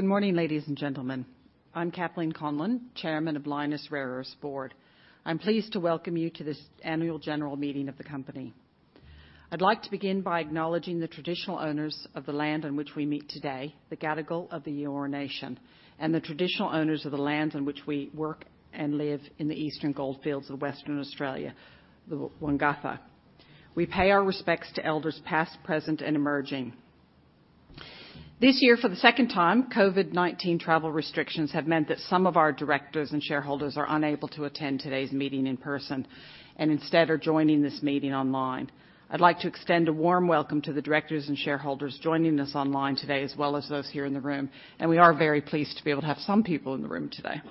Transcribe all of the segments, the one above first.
Good morning, ladies and gentlemen. I'm Kathleen Conlon, Chairman of Lynas Rare Earths Board. I'm pleased to welcome you to this annual general meeting of the company. I'd like to begin by acknowledging the traditional owners of the land on which we meet today, the Gadigal of the Eora Nation, and the traditional owners of the lands in which we work and live in the Eastern Goldfields of Western Australia, the Wongatha. We pay our respects to elders past, present, and emerging. This year, for the second time, COVID-19 travel restrictions have meant that some of our directors and shareholders are unable to attend today's meeting in person, and instead are joining this meeting online. I'd like to extend a warm welcome to the directors and shareholders joining us online today, as well as those here in the room, and we are very pleased to be able to have some people in the room today.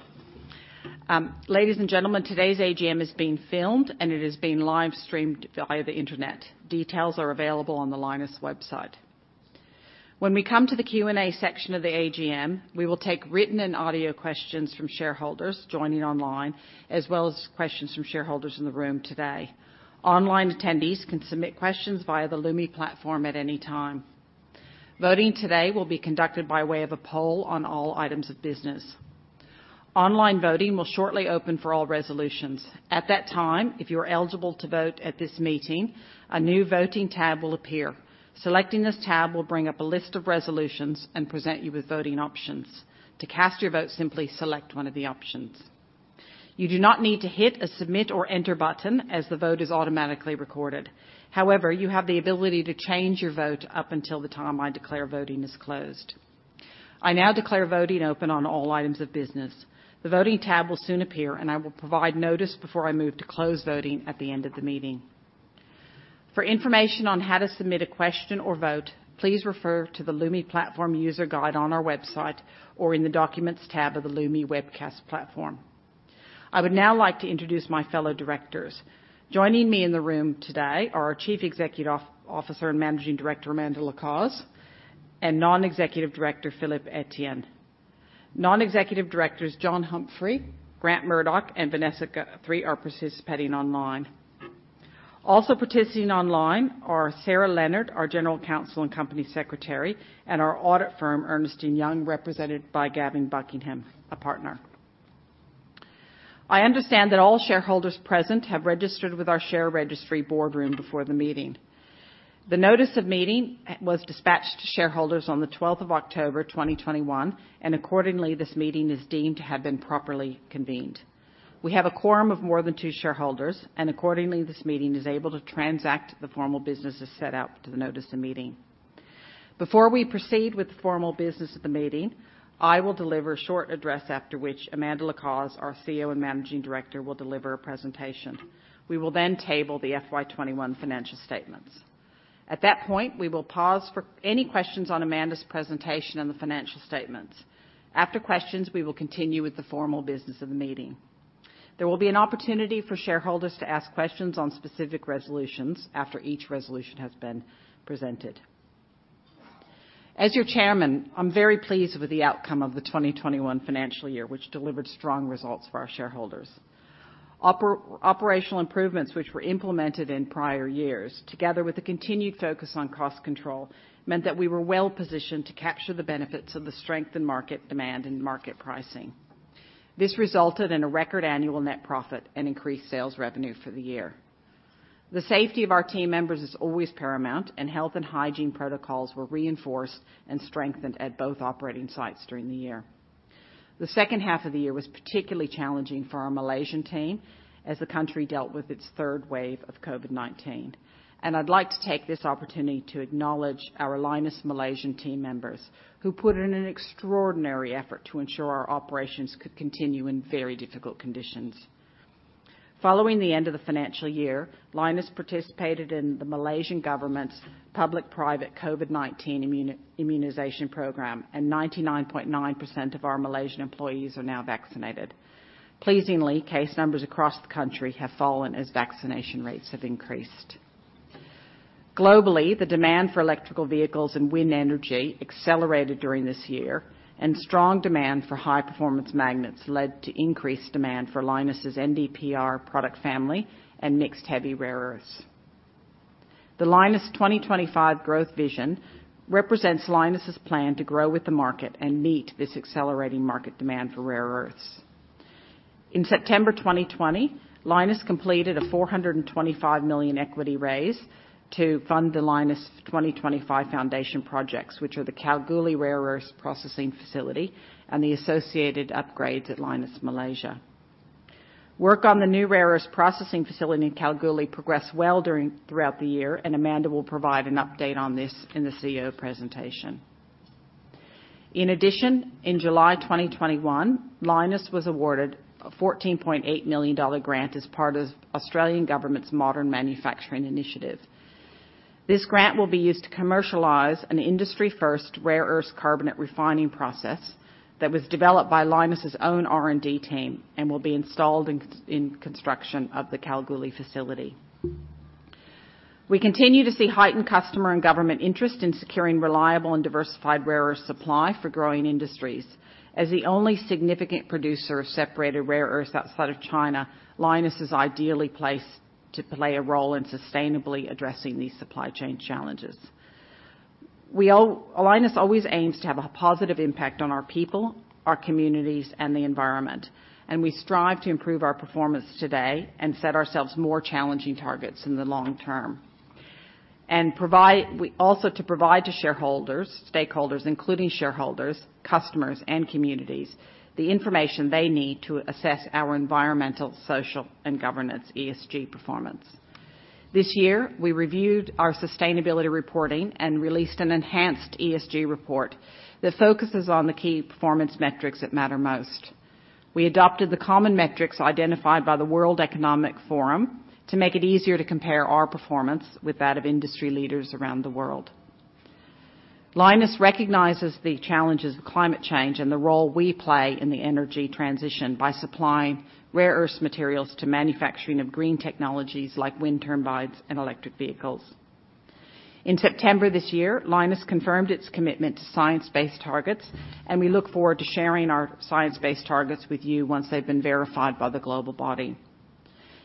Ladies and gentlemen, today's AGM is being filmed and it is being live-streamed via the Internet. Details are available on the Lynas website. When we come to the Q&A section of the AGM, we will take written and audio questions from shareholders joining online, as well as questions from shareholders in the room today. Online attendees can submit questions via the Lumi platform at any time. Voting today will be conducted by way of a poll on all items of business. Online voting will shortly open for all resolutions. At that time, if you are eligible to vote at this meeting, a new voting tab will appear. Selecting this tab will bring up a list of resolutions and present you with voting options. To cast your vote, simply select one of the options. You do not need to hit a submit or enter button as the vote is automatically recorded. However, you have the ability to change your vote up until the time I declare voting is closed. I now declare voting open on all items of business. The voting tab will soon appear, and I will provide notice before I move to close voting at the end of the meeting. For information on how to submit a question or vote, please refer to the Lumi platform user guide on our website or in the documents tab of the Lumi webcast platform. I would now like to introduce my fellow directors. Joining me in the room today are our Chief Executive Officer and Managing Director, Amanda Lacaze, and Non-Executive Director, Philippe Etienne. Non-Executive Directors, John Humphrey, Grant Murdoch, and Vanessa Guthrie are participating online. Also participating online are Sarah Leonard, our General Counsel and Company Secretary, and our audit firm, Ernst & Young, represented by Gavin Buckingham, a partner. I understand that all shareholders present have registered with our share registry Boardroom before the meeting. The notice of meeting was dispatched to shareholders on the 12th of October, 2021, and accordingly, this meeting is deemed to have been properly convened. We have a quorum of more than two shareholders, and accordingly, this meeting is able to transact the formal business as set out to the notice of meeting. Before we proceed with the formal business of the meeting, I will deliver a short address after which Amanda Lacaze, our CEO and Managing Director, will deliver a presentation. We will then table the FY 2021 financial statements. At that point, we will pause for any questions on Amanda's presentation and the financial statements. After questions, we will continue with the formal business of the meeting. There will be an opportunity for shareholders to ask questions on specific resolutions after each resolution has been presented. As your chairman, I'm very pleased with the outcome of the 2021 financial year, which delivered strong results for our shareholders. Operational improvements which were implemented in prior years, together with a continued focus on cost control, meant that we were well-positioned to capture the benefits of the strength in market demand and market pricing. This resulted in a record annual net profit and increased sales revenue for the year. The safety of our team members is always paramount, and health and hygiene protocols were reinforced and strengthened at both operating sites during the year. The second half of the year was particularly challenging for our Malaysian team as the country dealt with its third wave of COVID-19. I'd like to take this opportunity to acknowledge our Lynas Malaysian team members who put in an extraordinary effort to ensure our operations could continue in very difficult conditions. Following the end of the financial year, Lynas participated in the Malaysian government's public-private COVID-19 immunization program, and 99.9% of our Malaysian employees are now vaccinated. Pleasingly, case numbers across the country have fallen as vaccination rates have increased. Globally, the demand for electric vehicles and wind energy accelerated during this year, and strong demand for high-performance magnets led to increased demand for Lynas' NDPR product family and mixed heavy rare earths. The Lynas 2025 growth vision represents Lynas' plan to grow with the market and meet this accelerating market demand for rare earths. In September 2020, Lynas completed an 425 million equity raise to fund the Lynas 2025 foundation projects, which are the Kalgoorlie Rare Earths Processing Facility and the associated upgrades at Lynas Malaysia. Work on the new rare earths processing facility in Kalgoorlie progressed well throughout the year, and Amanda will provide an update on this in the CEO presentation. In addition, in July 2021, Lynas was awarded an 14.8 million dollar grant as part of Australian Government's Modern Manufacturing Initiative. This grant will be used to commercialize an industry first rare earths carbonate refining process that was developed by Lynas' own R&D team and will be installed in current construction of the Kalgoorlie facility. We continue to see heightened customer and government interest in securing reliable and diversified rare earth supply for growing industries. As the only significant producer of separated rare earths outside of China, Lynas is ideally placed to play a role in sustainably addressing these supply chain challenges. Lynas always aims to have a positive impact on our people, our communities, and the environment, and we strive to improve our performance today and set ourselves more challenging targets in the long term. Also, to provide to shareholders, stakeholders, including shareholders, customers, and communities, the information they need to assess our environmental, social, and governance (ESG) performance. This year, we reviewed our sustainability reporting and released an enhanced ESG report that focuses on the key performance metrics that matter most. We adopted the common metrics identified by the World Economic Forum to make it easier to compare our performance with that of industry leaders around the world. Lynas recognizes the challenges of climate change and the role we play in the energy transition by supplying rare earths materials to manufacturing of green technologies like wind turbines and electric vehicles. In September this year, Lynas confirmed its commitment to science-based targets, and we look forward to sharing our science-based targets with you once they've been verified by the global body.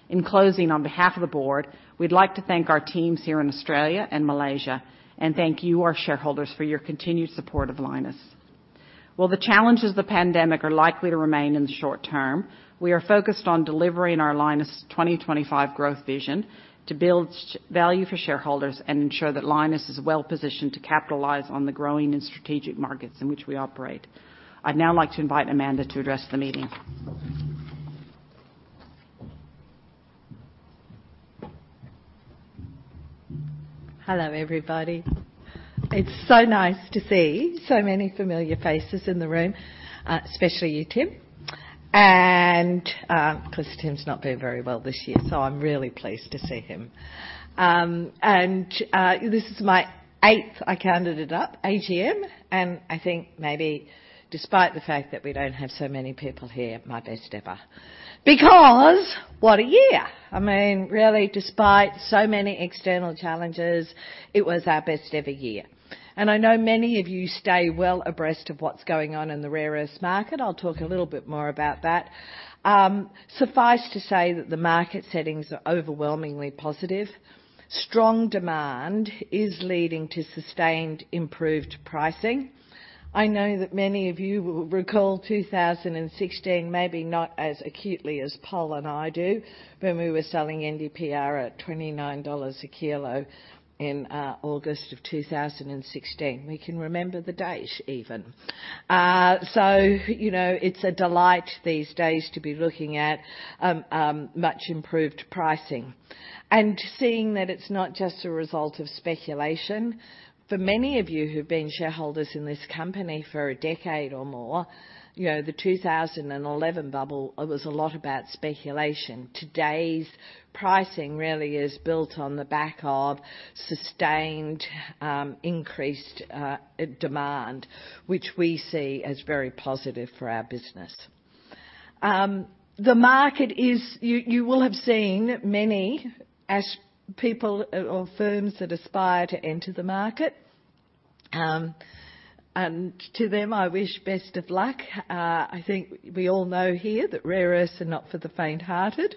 In closing, on behalf of the board, we'd like to thank our teams here in Australia and Malaysia, and thank you, our shareholders, for your continued support of Lynas. While the challenges of the pandemic are likely to remain in the short term, we are focused on delivering our Lynas 2025 growth vision to build value for shareholders and ensure that Lynas is well-positioned to capitalize on the growing and strategic markets in which we operate. I'd now like to invite Amanda to address the meeting. Hello, everybody. It's so nice to see so many familiar faces in the room, especially you, Tim. 'Cause Tim's not been very well this year, so I'm really pleased to see him. This is my eighth, I counted it up, AGM, and I think maybe despite the fact that we don't have so many people here, my best ever. Because what a year. I mean, really, despite so many external challenges, it was our best ever year. I know many of you stay well abreast of what's going on in the rare earths market. I'll talk a little bit more about that. Suffice to say that the market settings are overwhelmingly positive. Strong demand is leading to sustained improved pricing. I know that many of you will recall 2016, maybe not as acutely as Paul and I do, when we were selling NDPR at $29 a kilo in August of 2016. We can remember the date even. You know, it's a delight these days to be looking at much improved pricing and seeing that it's not just a result of speculation. For many of you who've been shareholders in this company for a decade or more, you know, the 2011 bubble, it was a lot about speculation. Today's pricing really is built on the back of sustained increased demand, which we see as very positive for our business. The market is. You will have seen many aspiring people or firms that aspire to enter the market. To them, I wish best of luck. I think we all know here that rare earths are not for the faint-hearted.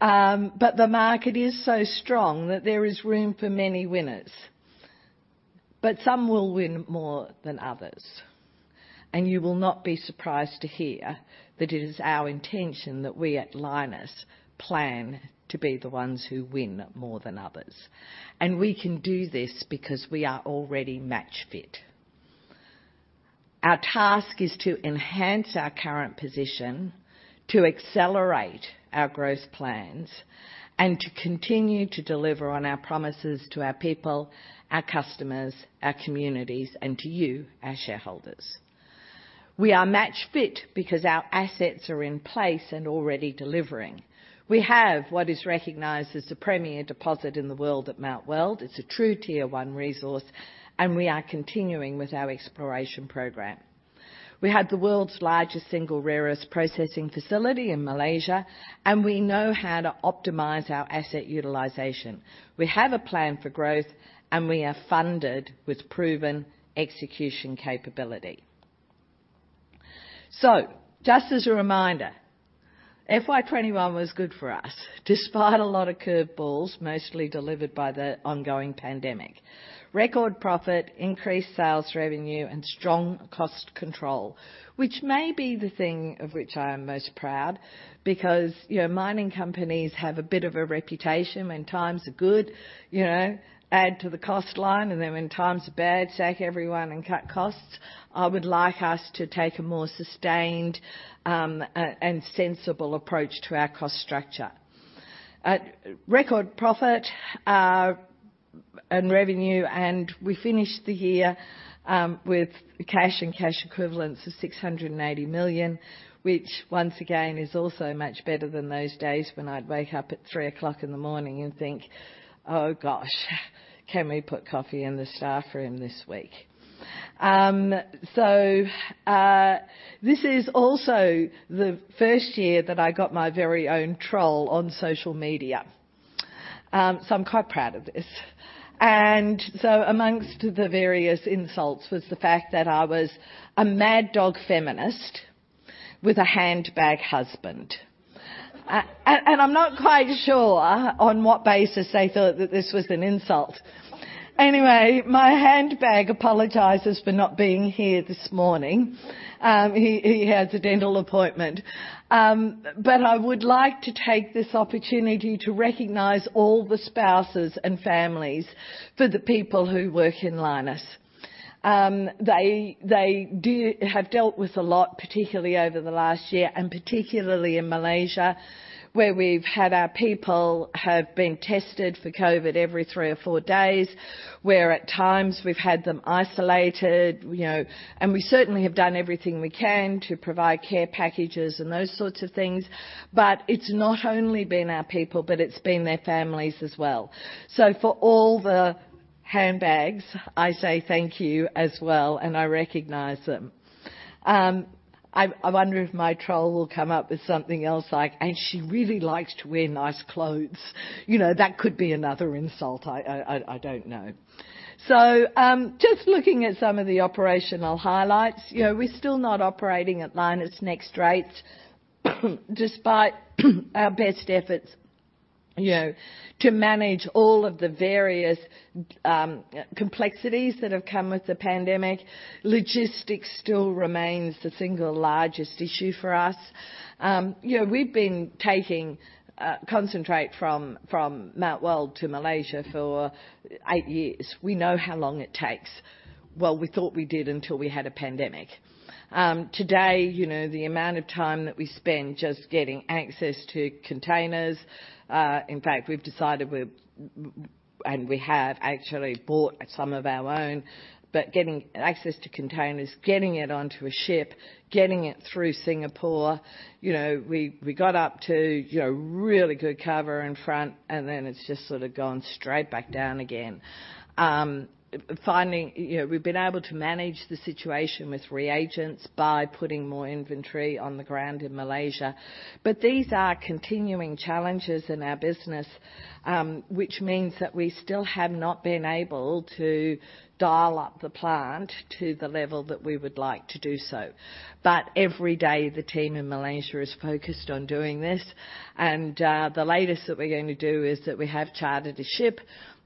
The market is so strong that there is room for many winners. Some will win more than others. You will not be surprised to hear that it is our intention that we at Lynas plan to be the ones who win more than others. We can do this because we are already match fit. Our task is to enhance our current position, to accelerate our growth plans, and to continue to deliver on our promises to our people, our customers, our communities, and to you, our shareholders. We are match fit because our assets are in place and already delivering. We have what is recognized as the premier deposit in the world at Mount Weld. It's a true tier one resource, and we are continuing with our exploration program. We have the world's largest single rare earths processing facility in Malaysia, and we know how to optimize our asset utilization. We have a plan for growth, and we are funded with proven execution capability. Just as a reminder, FY 2021 was good for us, despite a lot of curve balls, mostly delivered by the ongoing pandemic. Record profit, increased sales revenue, and strong cost control, which may be the thing of which I am most proud because, you know, mining companies have a bit of a reputation when times are good, you know, add to the cost line, and then when times are bad, sack everyone and cut costs. I would like us to take a more sustained and sensible approach to our cost structure. At record profit and revenue, and we finished the year with cash and cash equivalents of 680 million, which once again is also much better than those days when I'd wake up at 3:00 A.M. and think, "Oh gosh, can we put coffee in the staff room this week?" This is also the first year that I got my very own troll on social media. I'm quite proud of this. Amongst the various insults was the fact that I was a mad dog feminist with a handbag husband. And I'm not quite sure on what basis they thought that this was an insult. Anyway, my handbag apologizes for not being here this morning. He has a dental appointment. I would like to take this opportunity to recognize all the spouses and families for the people who work in Lynas. They have dealt with a lot, particularly over the last year, and particularly in Malaysia, where we've had our people tested for COVID every three or four days. At times we've had them isolated, you know. We certainly have done everything we can to provide care packages and those sorts of things, but it's not only been our people, but it's been their families as well. For all the husbands, I say thank you as well, and I recognize them. I wonder if my troll will come up with something else like, "And she really likes to wear nice clothes." You know, that could be another insult. I don't know. Just looking at some of the operational highlights. You know, we're still not operating at Lynas NEXT rates despite our best efforts, you know, to manage all of the various complexities that have come with the pandemic. Logistics still remains the single largest issue for us. You know, we've been taking concentrate from Mount Weld to Malaysia for eight years. We know how long it takes. Well, we thought we did until we had a pandemic. Today, you know, the amount of time that we spend just getting access to containers. In fact, we've decided and we have actually bought some of our own. But getting access to containers, getting it onto a ship, getting it through Singapore. You know, we got up to, you know, really good cover in front, and then it's just sort of gone straight back down again. You know, we've been able to manage the situation with reagents by putting more inventory on the ground in Malaysia. These are continuing challenges in our business, which means that we still have not been able to dial up the plant to the level that we would like to do so. Every day, the team in Malaysia is focused on doing this. The latest that we're going to do is that we have chartered a ship,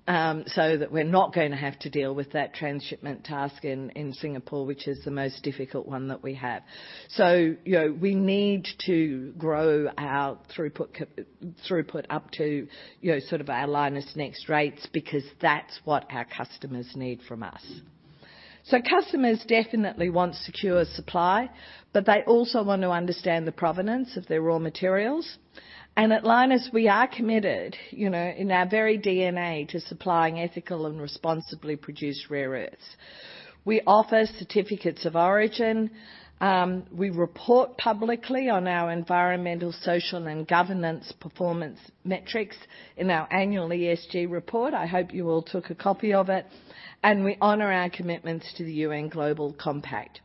so that we're not gonna have to deal with that transshipment task in Singapore, which is the most difficult one that we have. You know, we need to grow our throughput up to, you know, sort of our Lynas NEXT rates because that's what our customers need from us. Customers definitely want secure supply, but they also want to understand the provenance of their raw materials. At Lynas, we are committed, you know, in our very DNA to supplying ethical and responsibly produced rare earths. We offer certificates of origin. We report publicly on our environmental, social, and governance performance metrics in our annual ESG report. I hope you all took a copy of it. We honor our commitments to the UN Global Compact.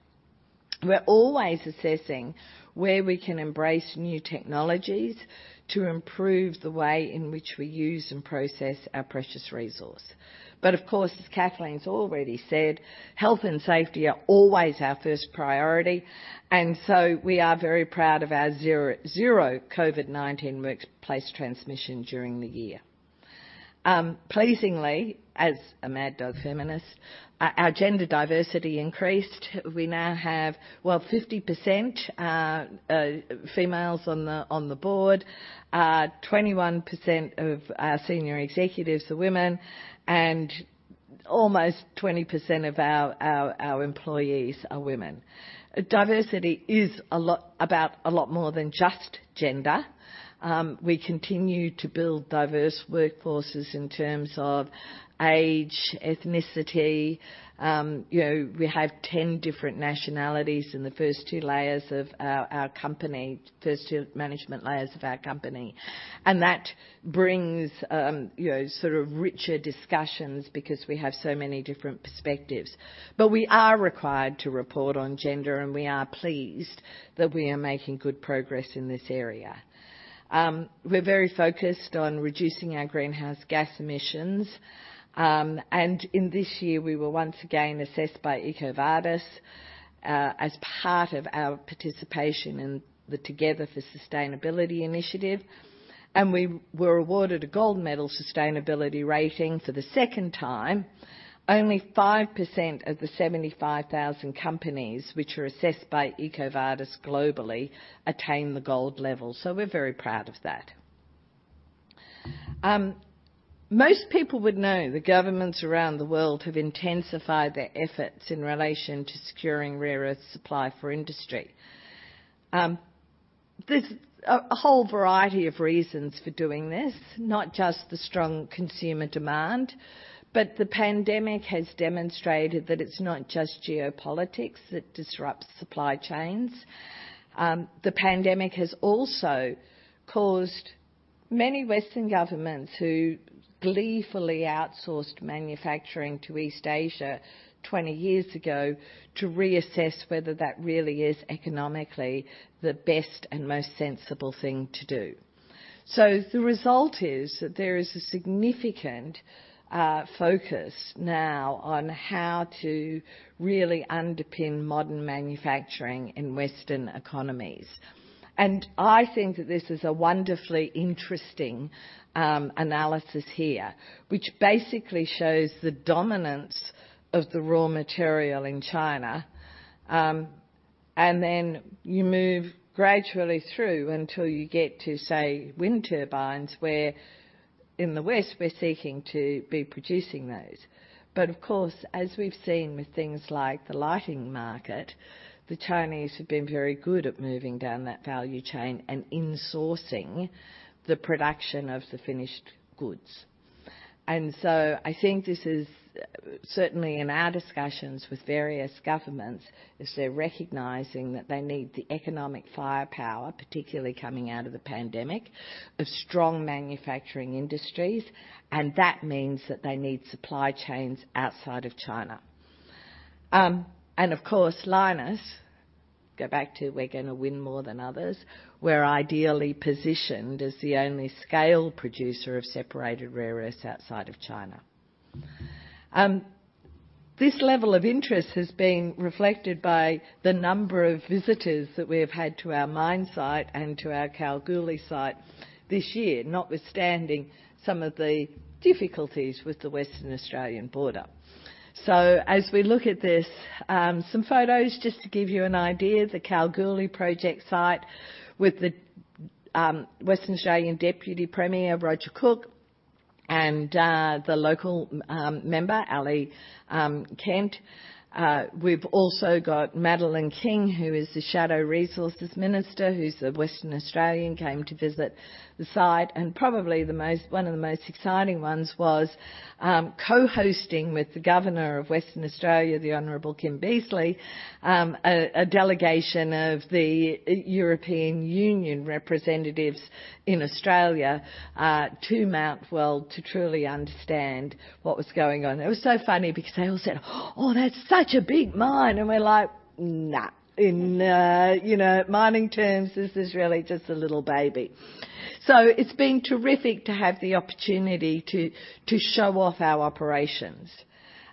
We're always assessing where we can embrace new technologies to improve the way in which we use and process our precious resource. Of course, as Kathleen's already said, health and safety are always our first priority, and so we are very proud of our zero-zero COVID-19 workplace transmission during the year. Pleasingly, as a mad dog feminist, our gender diversity increased. We now have, well, 50% females on the board. 21% of our senior executives are women, and almost 20% of our employees are women. Diversity is a lot more than just gender. We continue to build diverse workforces in terms of age, ethnicity. You know, we have 10 different nationalities in the first two layers of our company, first two management layers of our company. That brings you know, sort of richer discussions because we have so many different perspectives. We are required to report on gender, and we are pleased that we are making good progress in this area. We're very focused on reducing our greenhouse gas emissions. In this year, we were once again assessed by EcoVadis as part of our participation in the Together for Sustainability initiative. We were awarded a Gold Medal sustainability rating for the second time. Only 5% of the 75,000 companies which are assessed by EcoVadis globally attain the Gold level. We're very proud of that. Most people would know that governments around the world have intensified their efforts in relation to securing rare earths supply for industry. There's a whole variety of reasons for doing this, not just the strong consumer demand. The pandemic has demonstrated that it's not just geopolitics that disrupts supply chains. The pandemic has also caused many Western governments who gleefully outsourced manufacturing to East Asia 20 years ago to reassess whether that really is economically the best and most sensible thing to do. So the result is that there is a significant focus now on how to really underpin modern manufacturing in Western economies. I think that this is a wonderfully interesting analysis here, which basically shows the dominance of the raw material in China. Then you move gradually through until you get to, say, wind turbines, where in the West we're seeking to be producing those. Of course, as we've seen with things like the lighting market, the Chinese have been very good at moving down that value chain and insourcing the production of the finished goods. I think this is certainly in our discussions with various governments, is they're recognizing that they need the economic firepower, particularly coming out of the pandemic, of strong manufacturing industries, and that means that they need supply chains outside of China. Of course, Lynas, go back to we're gonna win more than others. We're ideally positioned as the only scale producer of separated rare earths outside of China. This level of interest has been reflected by the number of visitors that we have had to our mine site and to our Kalgoorlie site this year, notwithstanding some of the difficulties with the Western Australian border. As we look at this, some photos just to give you an idea, the Kalgoorlie project site with the Western Australian Deputy Premier, Roger Cook, and the local member, Ali Kent. We've also got Madeleine King, who is the Shadow Minister for Resources, who's a Western Australian, came to visit the site. Probably one of the most exciting ones was co-hosting with the Governor of Western Australia, the Honorable Kim Beazley, a delegation of the European Union representatives in Australia, to Mount Weld to truly understand what was going on. It was so funny because they all said, "Oh, that's such a big mine." We're like, "Nah. In, you know, mining terms, this is really just a little baby." It's been terrific to have the opportunity to show off our operations.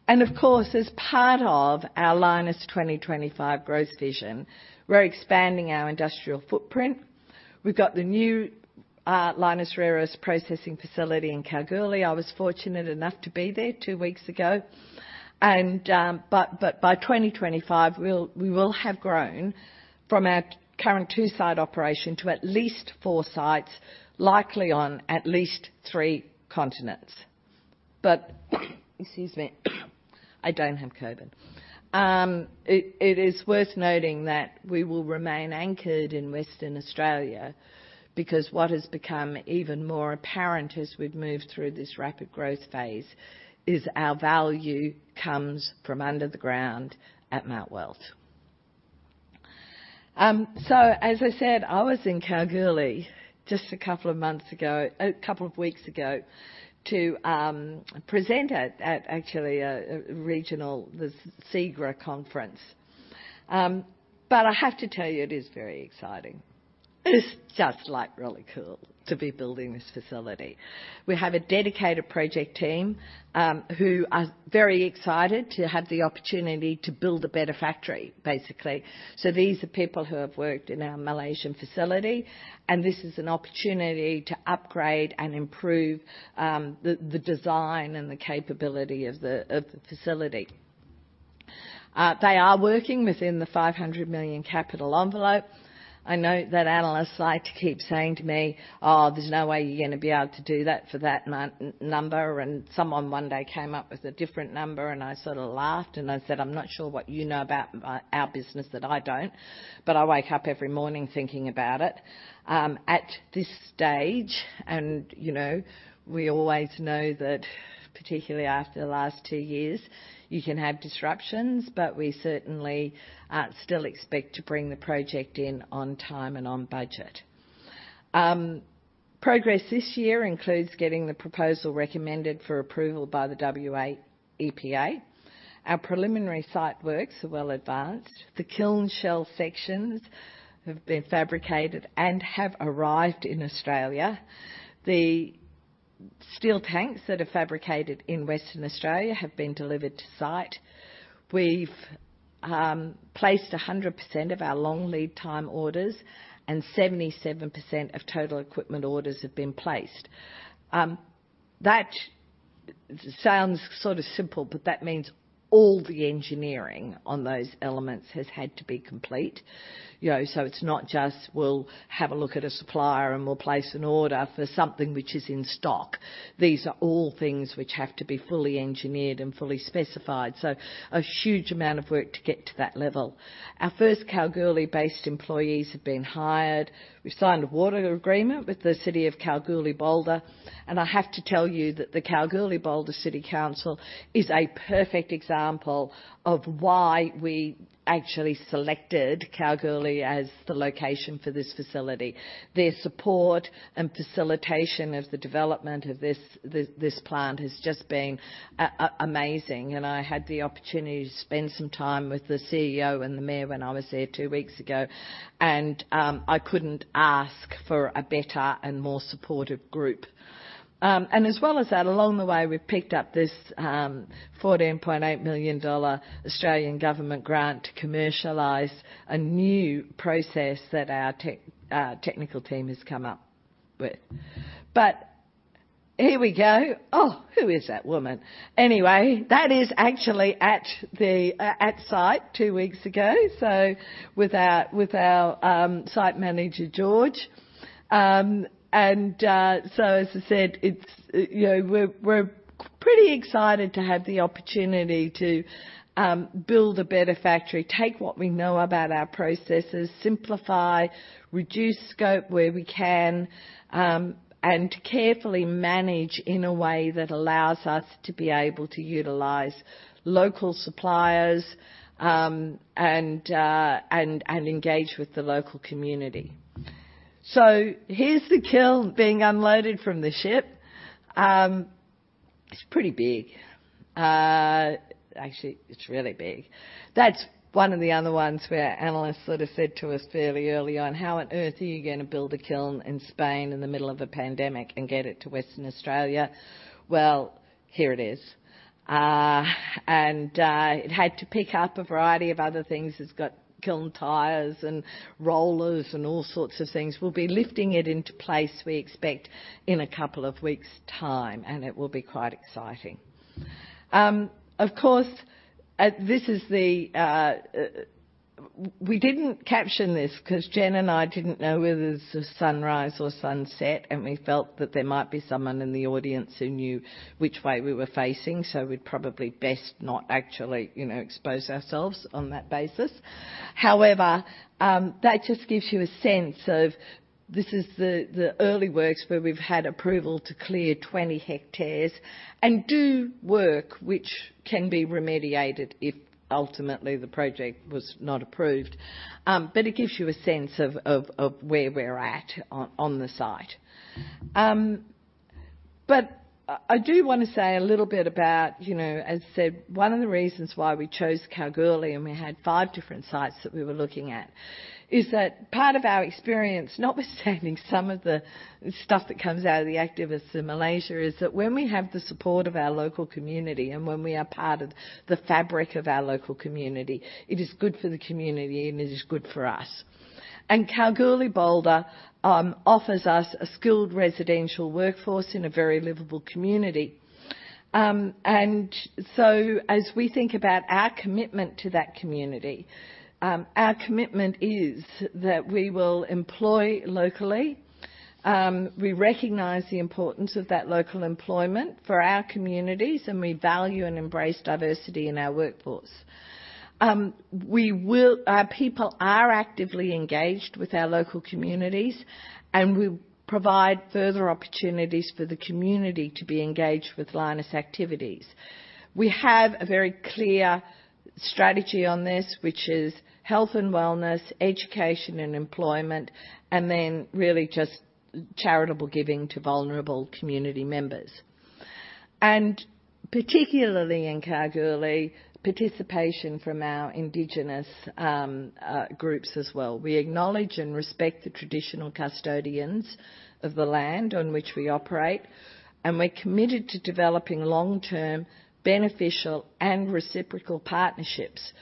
Of course, as part of our Lynas 2025 growth vision, we're expanding our industrial footprint. We've got the new Lynas Rare Earths processing facility in Kalgoorlie. I was fortunate enough to be there two weeks ago. By 2025, we will have grown from our current 2-site operation to at least 4 sites, likely on at least 3 continents. Excuse me, I don't have COVID. It is worth noting that we will remain anchored in Western Australia because what has become even more apparent as we've moved through this rapid growth phase is our value comes from under the ground at Mount Weld. As I said, I was in Kalgoorlie just a couple of weeks ago to present at actually a regional, the SEGRA conference. I have to tell you, it is very exciting. It's just, like, really cool to be building this facility. We have a dedicated project team who are very excited to have the opportunity to build a better factory, basically. These are people who have worked in our Malaysian facility, and this is an opportunity to upgrade and improve the design and the capability of the facility. They are working within the 500 million capital envelope. I know that analysts like to keep saying to me, "Oh, there's no way you're gonna be able to do that for that amount, n-number." Someone one day came up with a different number and I sort of laughed and I said, "I'm not sure what you know about our business that I don't, but I wake up every morning thinking about it." At this stage, you know, we always know that particularly after the last two years, you can have disruptions, but we certainly still expect to bring the project in on time and on budget. Progress this year includes getting the proposal recommended for approval by the WA EPA. Our preliminary site works are well advanced. The kiln shell sections have been fabricated and have arrived in Australia. The steel tanks that are fabricated in Western Australia have been delivered to site. We've placed 100% of our long lead time orders, and 77% of total equipment orders have been placed. That sounds sort of simple, but that means all the engineering on those elements has had to be complete. You know, so it's not just we'll have a look at a supplier and we'll place an order for something which is in stock. These are all things which have to be fully engineered and fully specified, so a huge amount of work to get to that level. Our first Kalgoorlie-based employees have been hired. We've signed a water agreement with the City of Kalgoorlie-Boulder, and I have to tell you that the Kalgoorlie-Boulder City Council is a perfect example of why we actually selected Kalgoorlie as the location for this facility. Their support and facilitation of the development of this plant has just been amazing, and I had the opportunity to spend some time with the CEO and the mayor when I was there two weeks ago, and I couldn't ask for a better and more supportive group. As well as that, along the way, we've picked up this 14.8 million Australian dollars Australian government grant to commercialize a new process that our technical team has come up with. Here we go. Oh, who is that woman? Anyway, that is actually at site two weeks ago with our site manager, George. As I said, you know, we're pretty excited to have the opportunity to build a better factory, take what we know about our processes, simplify, reduce scope where we can, and carefully manage in a way that allows us to be able to utilize local suppliers and engage with the local community. Here's the kiln being unloaded from the ship. It's pretty big. Actually, it's really big. That's one of the other ones where analysts sort of said to us fairly early on, "How on earth are you gonna build a kiln in Spain in the middle of a pandemic and get it to Western Australia?" Well, here it is. It had to pick up a variety of other things. It's got kiln tires and rollers and all sorts of things. We'll be lifting it into place, we expect, in a couple of weeks' time, and it will be quite exciting. Of course, we didn't caption this 'cause Jen and I didn't know whether this is sunrise or sunset, and we felt that there might be someone in the audience who knew which way we were facing. So we'd probably best not actually, you know, expose ourselves on that basis. However, that just gives you a sense of the early works where we've had approval to clear 20 hectares and do work which can be remediated if ultimately the project was not approved. It gives you a sense of where we're at on the site. I do wanna say a little bit about, you know, as I said, one of the reasons why we chose Kalgoorlie, and we had 5 different sites that we were looking at, is that part of our experience, notwithstanding some of the stuff that comes out of the activists in Malaysia, is that when we have the support of our local community, and when we are part of the fabric of our local community, it is good for the community and it is good for us. Kalgoorlie-Boulder offers us a skilled residential workforce in a very livable community. As we think about our commitment to that community, our commitment is that we will employ locally. We recognize the importance of that local employment for our communities, and we value and embrace diversity in our workforce. Our people are actively engaged with our local communities, and we provide further opportunities for the community to be engaged with Lynas activities. We have a very clear strategy on this, which is health and wellness, education and employment, and then really just charitable giving to vulnerable community members, particularly in Kalgoorlie, participation from our indigenous groups as well. We acknowledge and respect the traditional custodians of the land on which we operate, and we're committed to developing long-term, beneficial, and reciprocal partnerships.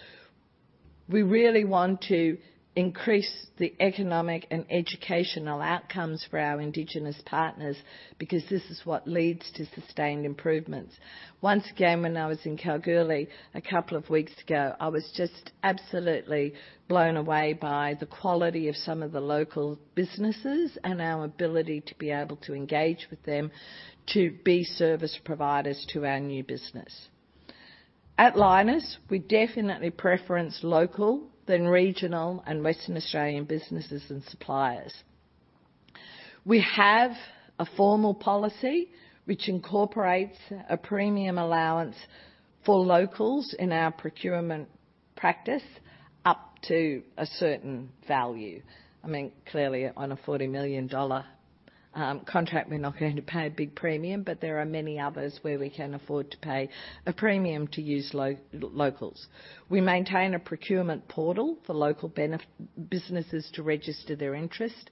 We really want to increase the economic and educational outcomes for our indigenous partners because this is what leads to sustained improvements. Once again, when I was in Kalgoorlie a couple of weeks ago, I was just absolutely blown away by the quality of some of the local businesses and our ability to be able to engage with them to be service providers to our new business. At Lynas, we definitely preference local than regional and Western Australian businesses and suppliers. We have a formal policy which incorporates a premium allowance for locals in our procurement practice up to a certain value. I mean, clearly, on a 40 million dollar contract, we're not going to pay a big premium, but there are many others where we can afford to pay a premium to use locals. We maintain a procurement portal for local businesses to register their interest,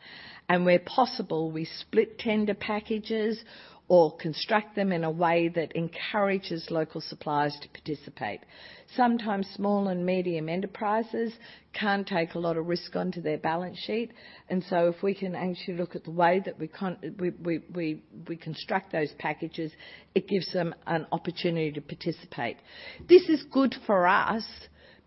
and where possible, we split tender packages or construct them in a way that encourages local suppliers to participate. Sometimes small and medium enterprises can't take a lot of risk onto their balance sheet, and so if we can actually look at the way that we construct those packages, it gives them an opportunity to participate. This is good for us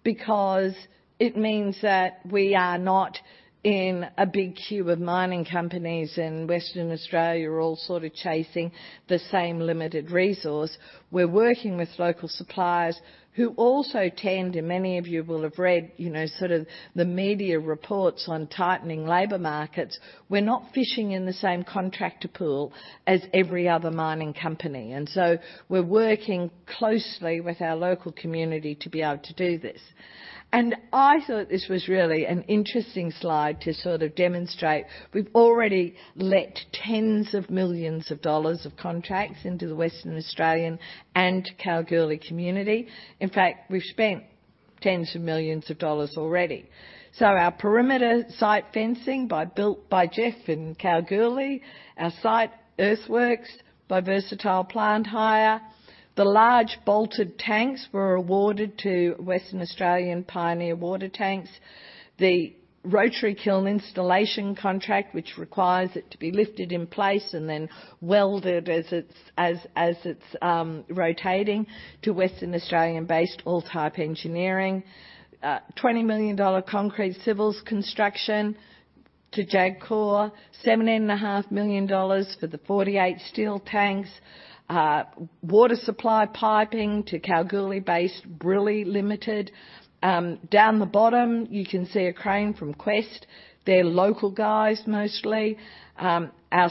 because it means that we are not in a big queue of mining companies in Western Australia, all sort of chasing the same limited resource. We're working with local suppliers who also tend, and many of you will have read, you know, sort of the media reports on tightening labor markets. We're not fishing in the same contractor pool as every other mining company. We're working closely with our local community to be able to do this. I thought this was really an interesting slide to sort of demonstrate. We've already let tens of millions of AUD of contracts into the Western Australian and Kalgoorlie community. In fact, we've spent tens of millions of AUD already. Our perimeter site fencing built by Jeff in Kalgoorlie. Our site earthworks by Versatile Plant Hire. The large bolted tanks were awarded to Western Australian Pioneer Water Tanks. The rotary kiln installation contract, which requires it to be lifted in place and then welded as it's rotating to Western Australian-based Alltype Engineering. 20 million dollar concrete civils construction to Jagcor. 17.5 million dollars for the 48 steel tanks. Water supply piping to Kalgoorlie-based Brylee Limited. Down the bottom, you can see a crane from Qwest. They're local guys, mostly. Our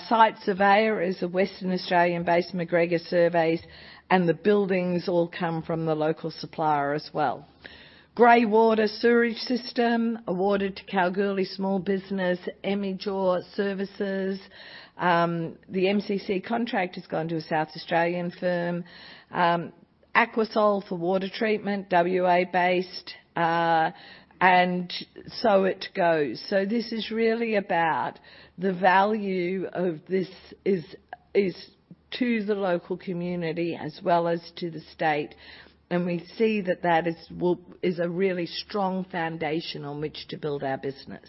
site surveyor is a Western Australian-based McGregor Surveys, and the buildings all come from the local supplier as well. Greywater sewage system awarded to Kalgoorlie small business, Emyjor Services. The MCC contract has gone to a South Australian firm. Aquasol for water treatment, WA based. This is really about the value of this is to the local community as well as to the state, and we see that is a really strong foundation on which to build our business.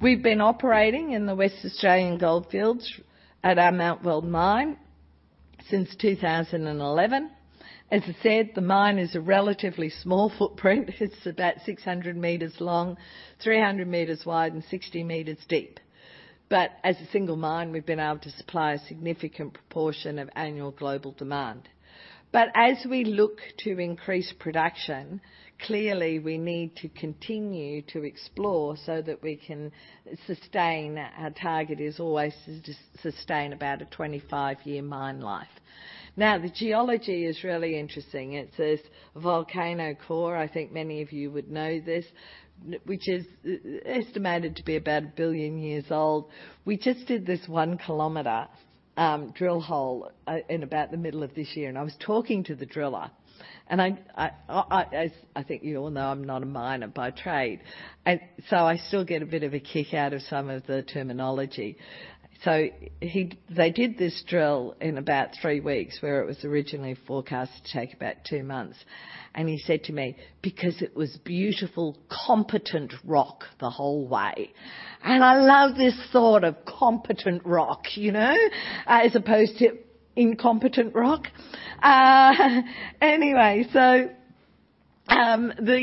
We've been operating in the Western Australian Goldfields at our Mount Weld mine since 2011. As I said, the mine is a relatively small footprint. It's about 600 meters long, 300 meters wide and 60 meters deep. As a single mine, we've been able to supply a significant proportion of annual global demand. As we look to increase production, clearly we need to continue to explore so that we can sustain. Our target is always to just sustain about a 25-year mine life. Now, the geology is really interesting. It's a volcanic core, I think many of you would know this, which is estimated to be about a billion years old. We just did this 1-km drill hole in about the middle of this year, and I was talking to the driller and I think you all know I'm not a miner by trade, and so I still get a bit of a kick out of some of the terminology. They did this drill in about 3 weeks, where it was originally forecast to take about 2 months. He said to me, "Because it was beautiful, competent rock the whole way." I love this thought of competent rock, you know, as opposed to incompetent rock. The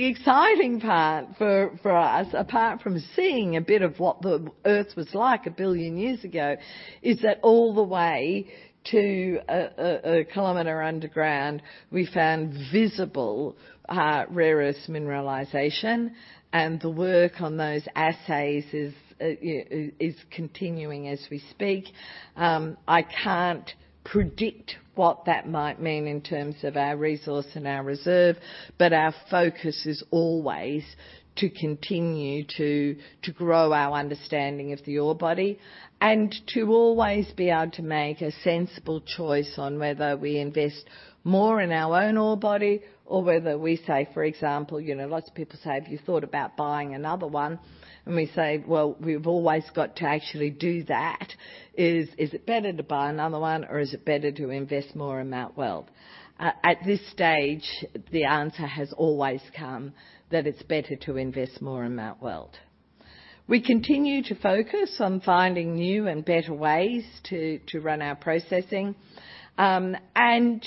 exciting part for us, apart from seeing a bit of what the Earth was like 1 billion years ago, is that all the way to 1 kilometer underground, we found visible rare earth mineralization. The work on those assays is continuing as we speak. I can't predict what that might mean in terms of our resource and our reserve, but our focus is always to continue to grow our understanding of the ore body and to always be able to make a sensible choice on whether we invest more in our own ore body or whether we say, for example, you know, lots of people say, "Have you thought about buying another one?" And we say, "Well, we've always got to actually do that." Is it better to buy another one or is it better to invest more in Mount Weld? At this stage, the answer has always come that it's better to invest more in Mount Weld. We continue to focus on finding new and better ways to run our processing, and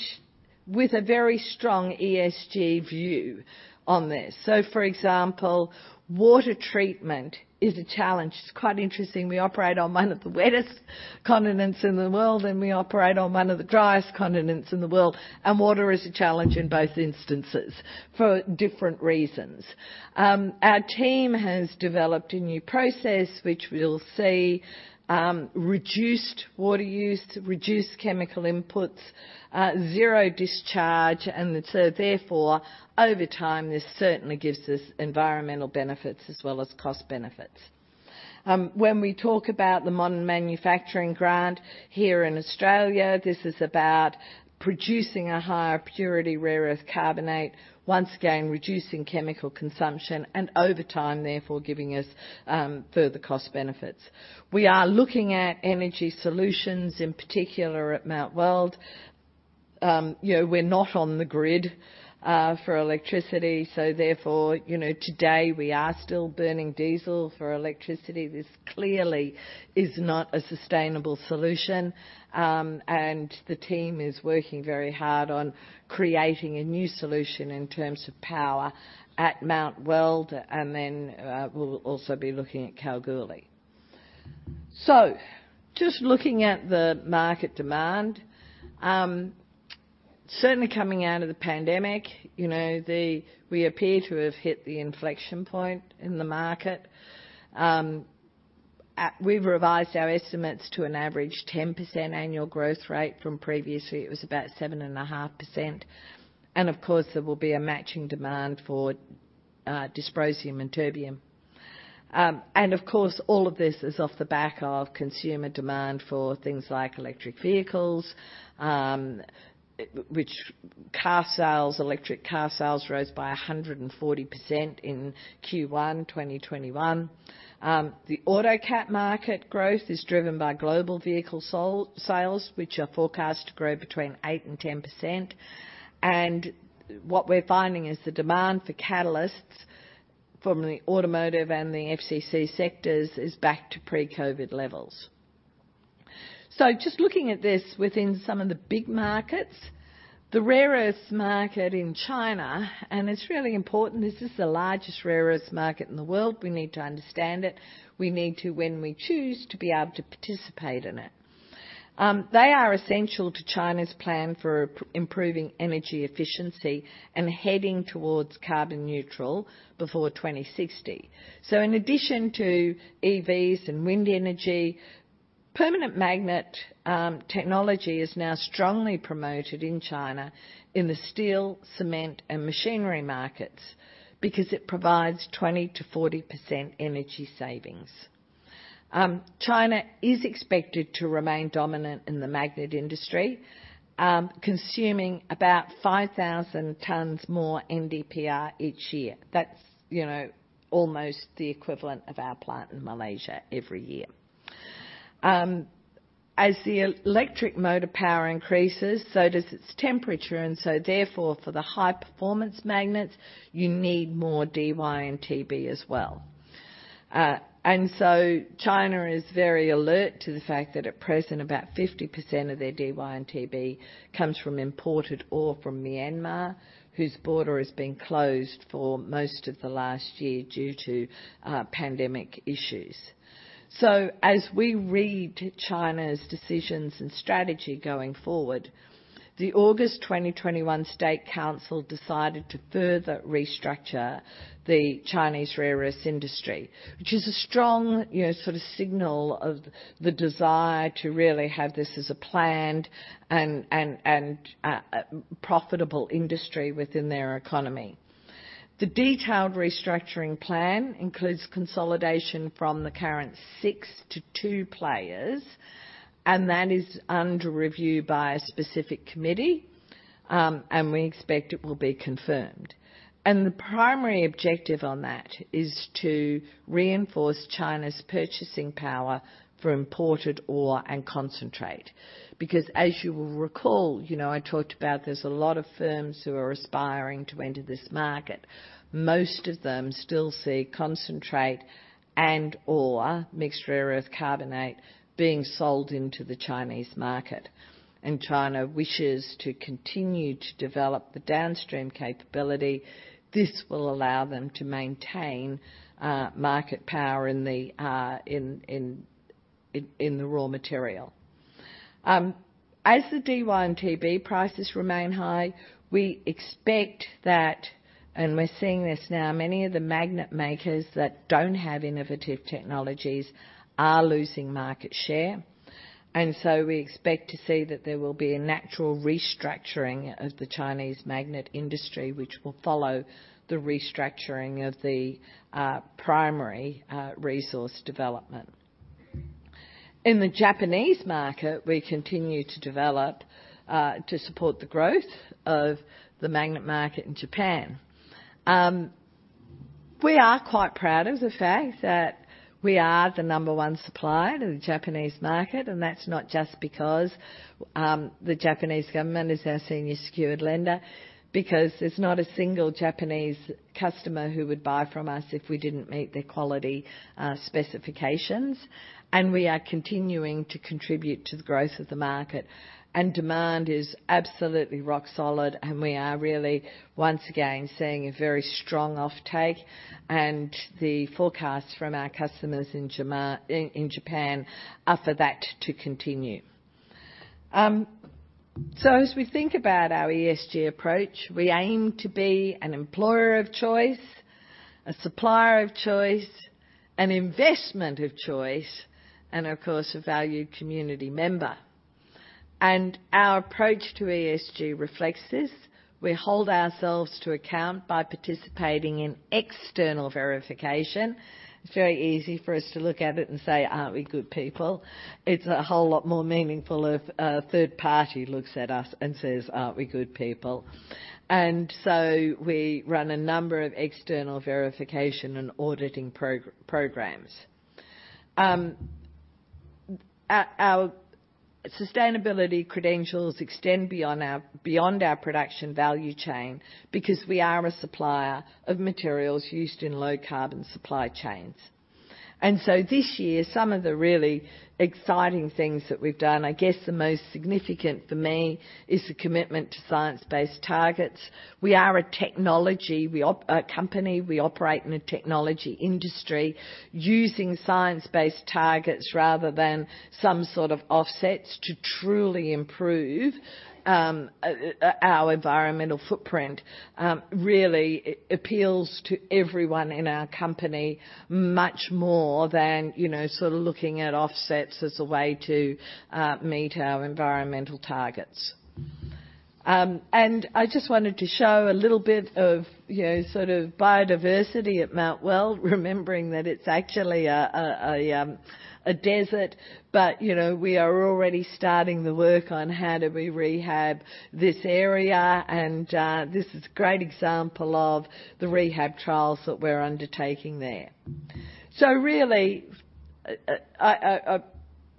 with a very strong ESG view on this. For example, water treatment is a challenge. It's quite interesting. We operate on one of the wettest continents in the world, and we operate on one of the driest continents in the world. Water is a challenge in both instances for different reasons. Our team has developed a new process which will see reduced water use, reduced chemical inputs, zero discharge, and so therefore, over time, this certainly gives us environmental benefits as well as cost benefits. When we talk about the Modern Manufacturing Grant here in Australia, this is about producing a higher purity rare earth carbonate, once again, reducing chemical consumption and over time, therefore, giving us further cost benefits. We are looking at energy solutions, in particular at Mount Weld. You know, we're not on the grid for electricity, so therefore, you know, today we are still burning diesel for electricity. This clearly is not a sustainable solution. The team is working very hard on creating a new solution in terms of power at Mount Weld. Then, we'll also be looking at Kalgoorlie. Just looking at the market demand, certainly coming out of the pandemic, you know, we appear to have hit the inflection point in the market. We've revised our estimates to an average 10% annual growth rate from previously it was about 7.5%. Of course, there will be a matching demand for dysprosium and terbium. Of course, all of this is off the back of consumer demand for things like electric vehicles, electric car sales rose by 100% in Q1 2021. The autocatalyst market growth is driven by global vehicle sales, which are forecast to grow 8%-10%. What we're finding is the demand for catalysts from the automotive and the FCC sectors is back to pre-COVID levels. Just looking at this within some of the big markets, the rare earth market in China, and it's really important, this is the largest rare earth market in the world. We need to understand it. We need to, when we choose, to be able to participate in it. They are essential to China's plan for improving energy efficiency and heading towards carbon neutral before 2060. In addition to EVs and wind energy, permanent magnet technology is now strongly promoted in China in the steel, cement, and machinery markets because it provides 20%-40% energy savings. China is expected to remain dominant in the magnet industry, consuming about 5,000 tons more NdPr each year. That's, you know, almost the equivalent of our plant in Malaysia every year. As the electric motor power increases, so does its temperature, and so therefore, for the high performance magnets, you need more Dy and Tb as well. China is very alert to the fact that at present, about 50% of their Dy and Tb comes from imported ore from Myanmar, whose border has been closed for most of the last year due to pandemic issues. As we read China's decisions and strategy going forward, the August 2021 State Council decided to further restructure the Chinese rare earth industry, which is a strong, you know, sort of signal of the desire to really have this as a planned and profitable industry within their economy. The detailed restructuring plan includes consolidation from the current 6 to 2 players, and that is under review by a specific committee, and we expect it will be confirmed. The primary objective on that is to reinforce China's purchasing power for imported ore and concentrate. Because as you will recall, you know, I talked about there's a lot of firms who are aspiring to enter this market. Most of them still see concentrate and/or mixed rare earth carbonate being sold into the Chinese market. China wishes to continue to develop the downstream capability. This will allow them to maintain market power in the raw material. As the Dy and Tb prices remain high, we expect that, and we're seeing this now, many of the magnet makers that don't have innovative technologies are losing market share. We expect to see that there will be a natural restructuring of the Chinese magnet industry, which will follow the restructuring of the primary resource development. In the Japanese market, we continue to develop to support the growth of the magnet market in Japan. We are quite proud of the fact that we are the number one supplier to the Japanese market, and that's not just because the Japanese government is our senior secured lender. There's not a single Japanese customer who would buy from us if we didn't meet their quality specifications. We are continuing to contribute to the growth of the market. Demand is absolutely rock solid, and we are really, once again, seeing a very strong offtake, and the forecasts from our customers in Japan are for that to continue. As we think about our ESG approach, we aim to be an employer of choice, a supplier of choice, an investment of choice, and of course, a valued community member. Our approach to ESG reflects this. We hold ourselves to account by participating in external verification. It's very easy for us to look at it and say, "Aren't we good people?" It's a whole lot more meaningful if a third party looks at us and says, "Aren't we good people?" We run a number of external verification and auditing programs. Our sustainability credentials extend beyond our production value chain because we are a supplier of materials used in low carbon supply chains. This year, some of the really exciting things that we've done, I guess the most significant for me is the commitment to science-based targets. We are a technology company, we operate in a technology industry using science-based targets rather than some sort of offsets to truly improve our environmental footprint. Really appeals to everyone in our company much more than, you know, sort of looking at offsets as a way to meet our environmental targets. I just wanted to show a little bit of, you know, sort of biodiversity at Mount Weld, remembering that it's actually a desert. You know, we are already starting the work on how do we rehab this area. This is a great example of the rehab trials that we're undertaking there. Really,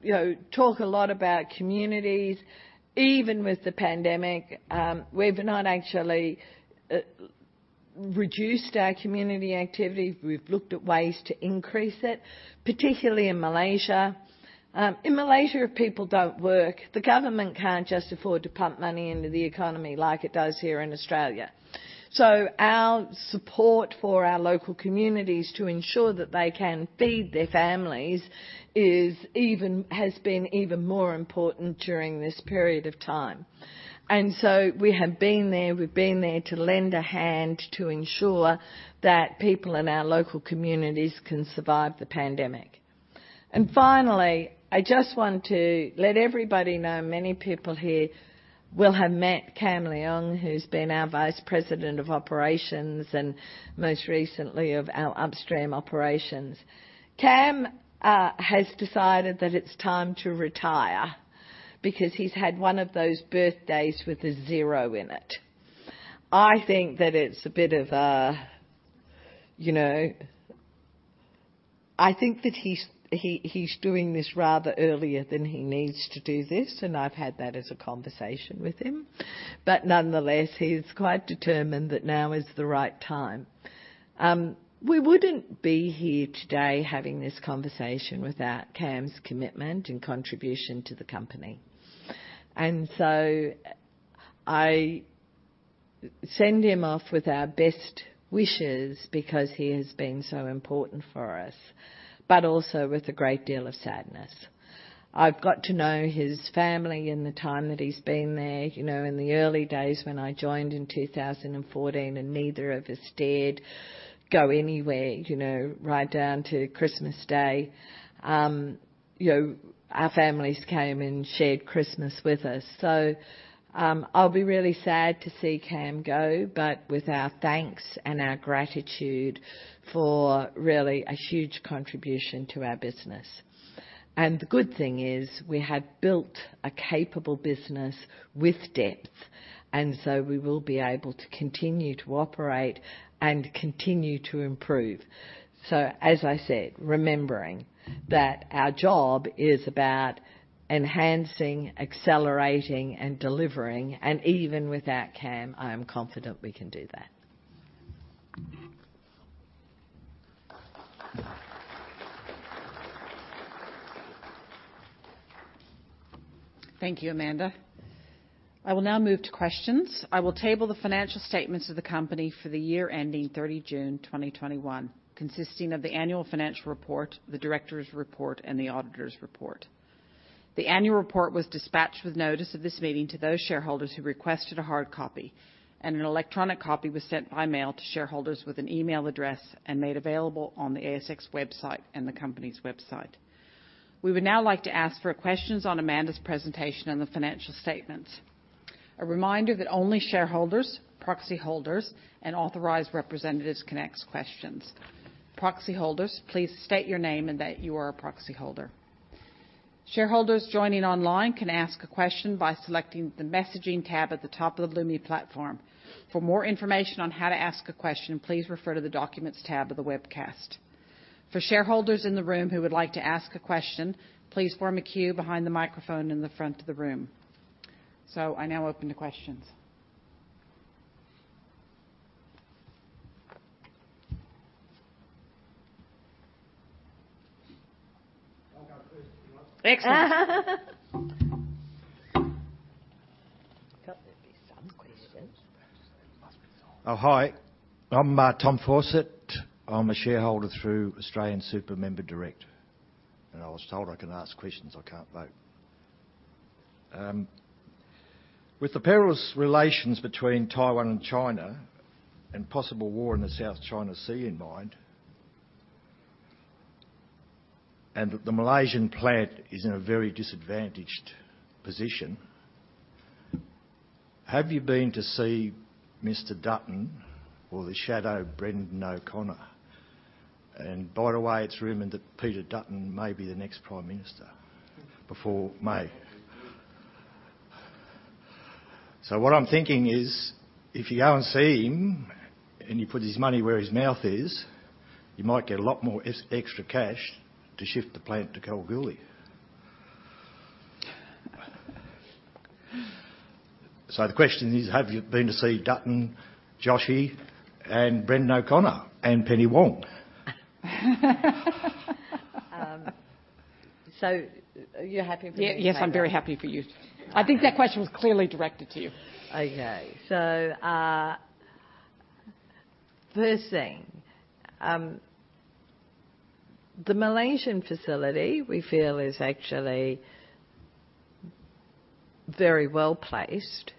you know, talk a lot about communities. Even with the pandemic, we've not actually reduced our community activity. We've looked at ways to increase it, particularly in Malaysia. In Malaysia, if people don't work, the government can't just afford to pump money into the economy like it does here in Australia. Our support for our local communities to ensure that they can feed their families has been even more important during this period of time. We have been there to lend a hand to ensure that people in our local communities can survive the pandemic. Finally, I just want to let everybody know many people here will have met Kam Leong, who's been our Vice President of Operations and most recently of our upstream operations. Kam has decided that it's time to retire because he's had one of those birthdays with a zero in it. I think that it's a bit of a. I think that he's doing this rather earlier than he needs to do this, and I've had that as a conversation with him. Nonetheless, he's quite determined that now is the right time. We wouldn't be here today having this conversation without Kam's commitment and contribution to the company. I send him off with our best wishes because he has been so important for us, but also with a great deal of sadness. I've got to know his family in the time that he's been there. You know, in the early days when I joined in 2014, and neither of us dared go anywhere, you know, right down to Christmas Day, you know, our families came and shared Christmas with us. I'll be really sad to see Kam go, but with our thanks and our gratitude for really a huge contribution to our business. The good thing is we have built a capable business with depth, and so we will be able to continue to operate and continue to improve. As I said, remembering that our job is about enhancing, accelerating, and delivering, and even without Kam, I am confident we can do that. Thank you, Amanda. I will now move to questions. I will table the financial statements of the company for the year ending 30 June 2021, consisting of the annual financial report, the directors' report, and the auditors' report. The annual report was dispatched with notice of this meeting to those shareholders who requested a hard copy, and an electronic copy was sent by mail to shareholders with an email address and made available on the ASX website and the company's website. We would now like to ask for questions on Amanda's presentation and the financial statements. A reminder that only shareholders, proxy holders, and authorized representatives can ask questions. Proxy holders, please state your name and that you are a proxy holder. Shareholders joining online can ask a question by selecting the Messaging tab at the top of the Lumi platform. For more information on how to ask a question, please refer to the Documents tab of the webcast. For shareholders in the room who would like to ask a question, please form a queue behind the microphone in the front of the room. I now open to questions. I'll go first if you like. Excellent. Thought there'd be some questions. Oh, hi. I'm Tom Fawcett. I'm a shareholder through AustralianSuper Member Direct, and I was told I can ask questions. I can't vote. With the perilous relations between Taiwan and China and possible war in the South China Sea in mind, and the Malaysian plant is in a very disadvantaged position, have you been to see Mr. Dutton or the Shadow Brendan O'Connor? By the way, it's rumored that Peter Dutton may be the next prime minister before May. What I'm thinking is, if you go and see him, and you put his money where his mouth is, you might get a lot more extra cash to shift the plant to Kalgoorlie. The question is, have you been to see Dutton, Josh, and Brendan O'Connor, and Penny Wong? Are you happy for me to answer that? Yes, I'm very happy for you. I think that question was clearly directed to you. Okay. First thing, the Malaysian facility, we feel, is actually very well-placed,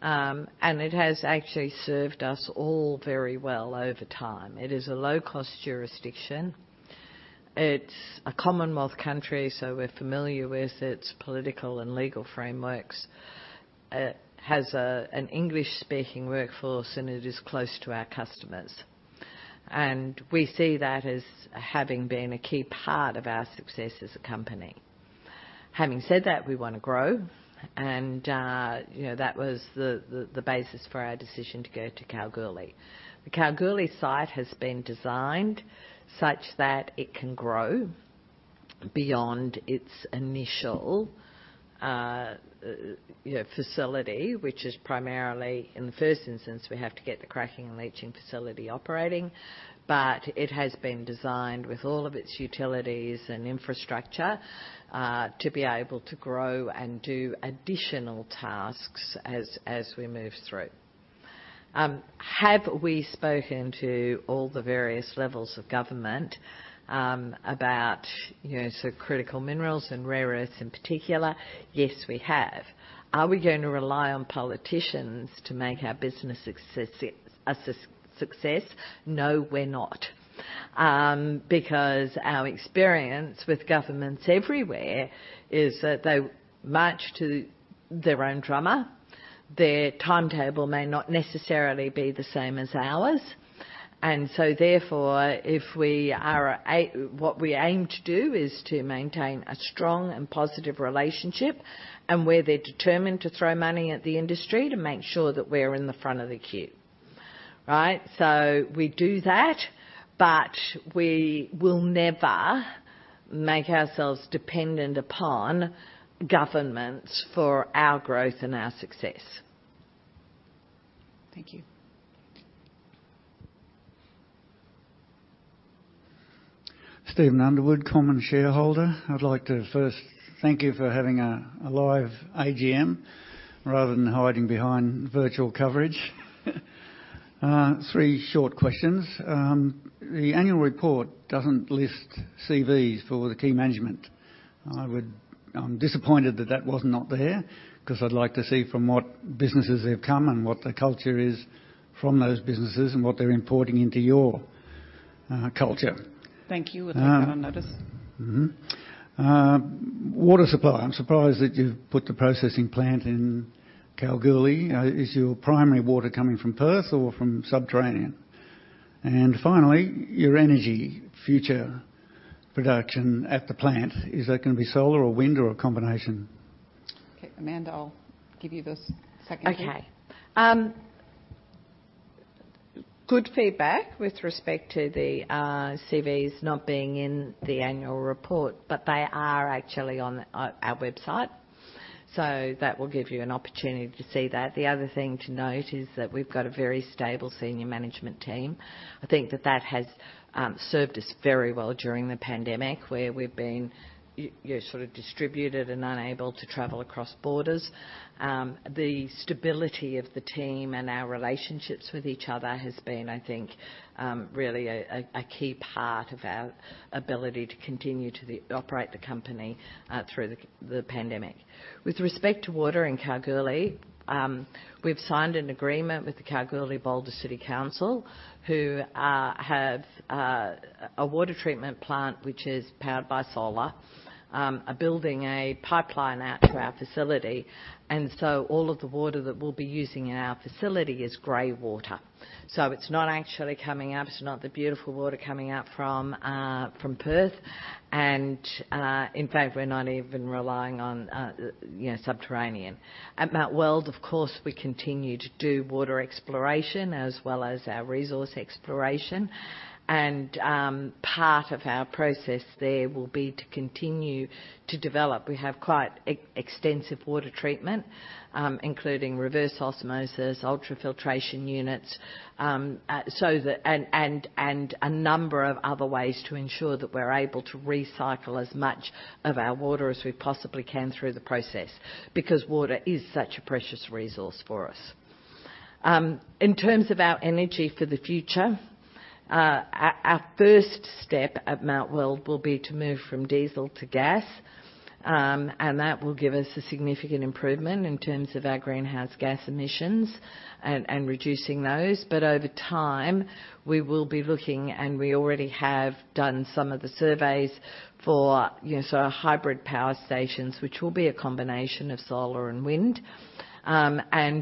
and it has actually served us all very well over time. It is a low-cost jurisdiction. It is a commonwealth country, so we're familiar with its political and legal frameworks. It has an English-speaking workforce, and it is close to our customers. We see that as having been a key part of our success as a company. Having said that, we wanna grow and, you know, that was the basis for our decision to go to Kalgoorlie. The Kalgoorlie site has been designed such that it can grow beyond its initial, you know, facility, which is primarily, in the first instance, we have to get the cracking and leaching facility operating. It has been designed with all of its utilities and infrastructure to be able to grow and do additional tasks as we move through. Have we spoken to all the various levels of government about, you know, so critical minerals and rare earths in particular? Yes, we have. Are we going to rely on politicians to make our business a success? No, we're not. Because our experience with governments everywhere is that they march to their own drummer. Their timetable may not necessarily be the same as ours. What we aim to do is to maintain a strong and positive relationship, and where they're determined to throw money at the industry to make sure that we're in the front of the queue. Right? We do that, but we will never make ourselves dependent upon governments for our growth and our success. Thank you. I'd like to first thank you for having a live AGM rather than hiding behind virtual coverage. Three short questions. The annual report doesn't list CVs for the key management. I'm disappointed that was not there because I'd like to see from what businesses they've come and what the culture is from those businesses, and what they're importing into your culture. Thank you. We'll take that on notice. Water supply. I'm surprised that you've put the processing plant in Kalgoorlie. Is your primary water coming from Perth or from subterranean? Finally, your energy for future production at the plant, is that gonna be solar or wind or a combination? Okay. Amanda, I'll give you the second two. Okay. Good feedback with respect to the CVs not being in the annual report, but they are actually on our website. That will give you an opportunity to see that. The other thing to note is that we've got a very stable senior management team. I think that has served us very well during the pandemic, where we've been sort of distributed and unable to travel across borders. The stability of the team and our relationships with each other has been, I think, really a key part of our ability to continue to operate the company through the pandemic. With respect to water in Kalgoorlie, we've signed an agreement with the Kalgoorlie-Boulder City Council, who have a water treatment plant which is powered by solar. We are building a pipeline out to our facility. All of the water that we'll be using in our facility is gray water. It's not actually coming out. It's not the beautiful water coming out from Perth. In fact, we're not even relying on subterranean. At Mount Weld, of course, we continue to do water exploration as well as our resource exploration. Part of our process there will be to continue to develop. We have quite extensive water treatment including reverse osmosis, ultrafiltration units, and a number of other ways to ensure that we're able to recycle as much of our water as we possibly can through the process because water is such a precious resource for us. In terms of our energy for the future, our first step at Mount Weld will be to move from diesel to gas. That will give us a significant improvement in terms of our greenhouse gas emissions and reducing those. Over time, we will be looking, and we already have done some of the surveys for, you know, so our hybrid power stations, which will be a combination of solar and wind.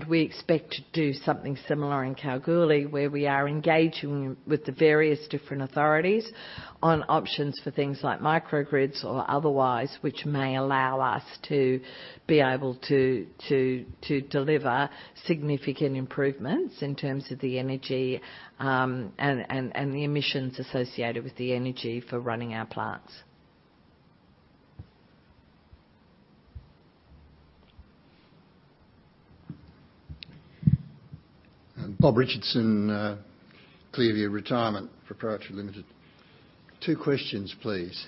We expect to do something similar in Kalgoorlie, where we are engaging with the various different authorities on options for things like microgrids or otherwise, which may allow us to be able to deliver significant improvements in terms of the energy, and the emissions associated with the energy for running our plants. Bob Richardson, Claria Retirement Proprietary Limited. 2 questions, please.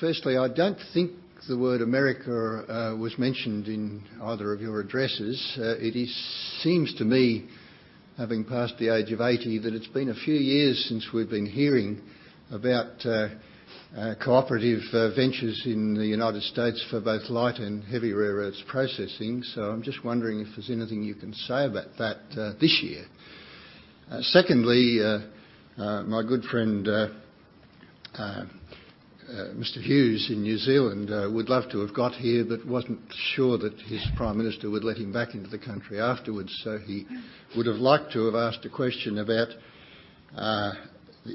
Firstly, I don't think the word America was mentioned in either of your addresses. It seems to me, having passed the age of 80, that it's been a few years since we've been hearing about cooperative ventures in the United States for both light and heavy rare earths processing. So I'm just wondering if there's anything you can say about that this year. Secondly, my good friend Mr. Hughes in New Zealand would love to have got here, but wasn't sure that his prime minister would let him back into the country afterwards. He would have liked to have asked a question about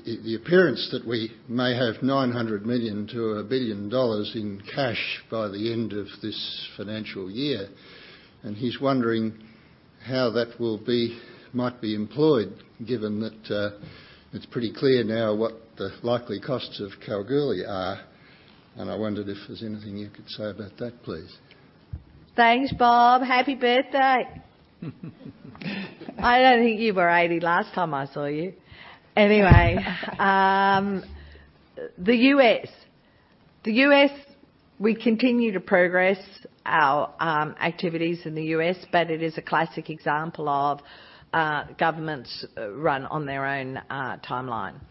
the appearance that we may have 900 million-1 billion dollars in cash by the end of this financial year. He's wondering how that might be employed, given that it's pretty clear now what the likely costs of Kalgoorlie are. I wondered if there's anything you could say about that, please. Thanks, Bob. Happy birthday. I don't think you were 80 last time I saw you. Anyway, the U.S. We continue to progress our activities in the U.S., but it is a classic example of government runs on its own timeline.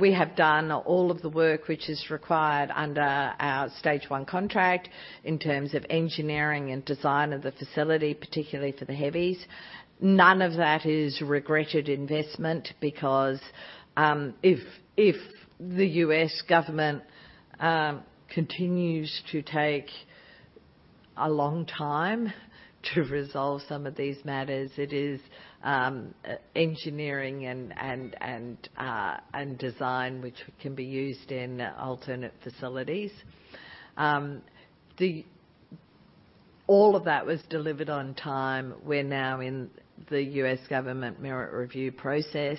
We have done all of the work which is required under our stage one contract in terms of engineering and design of the facility, particularly for the heavies. None of that is regrettable investment because if the U.S. government continues to take a long time to resolve some of these matters, it is engineering and design which can be used in alternate facilities. All of that was delivered on time. We're now in the U.S. government merit review process,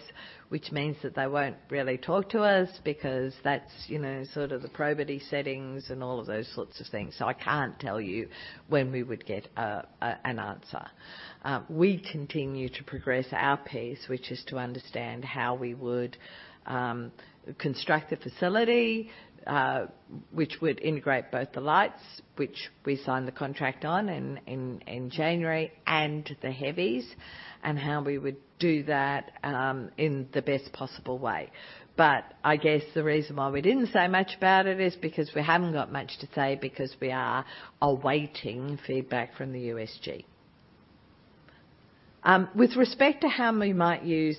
which means that they won't really talk to us because that's, you know, sort of the probity settings and all of those sorts of things. I can't tell you when we would get an answer. We continue to progress our piece, which is to understand how we would construct the facility, which would integrate both the lights, which we signed the contract on in January, and the heavies, and how we would do that in the best possible way. I guess the reason why we didn't say much about it is because we haven't got much to say because we are awaiting feedback from the USG. With respect to how we might use.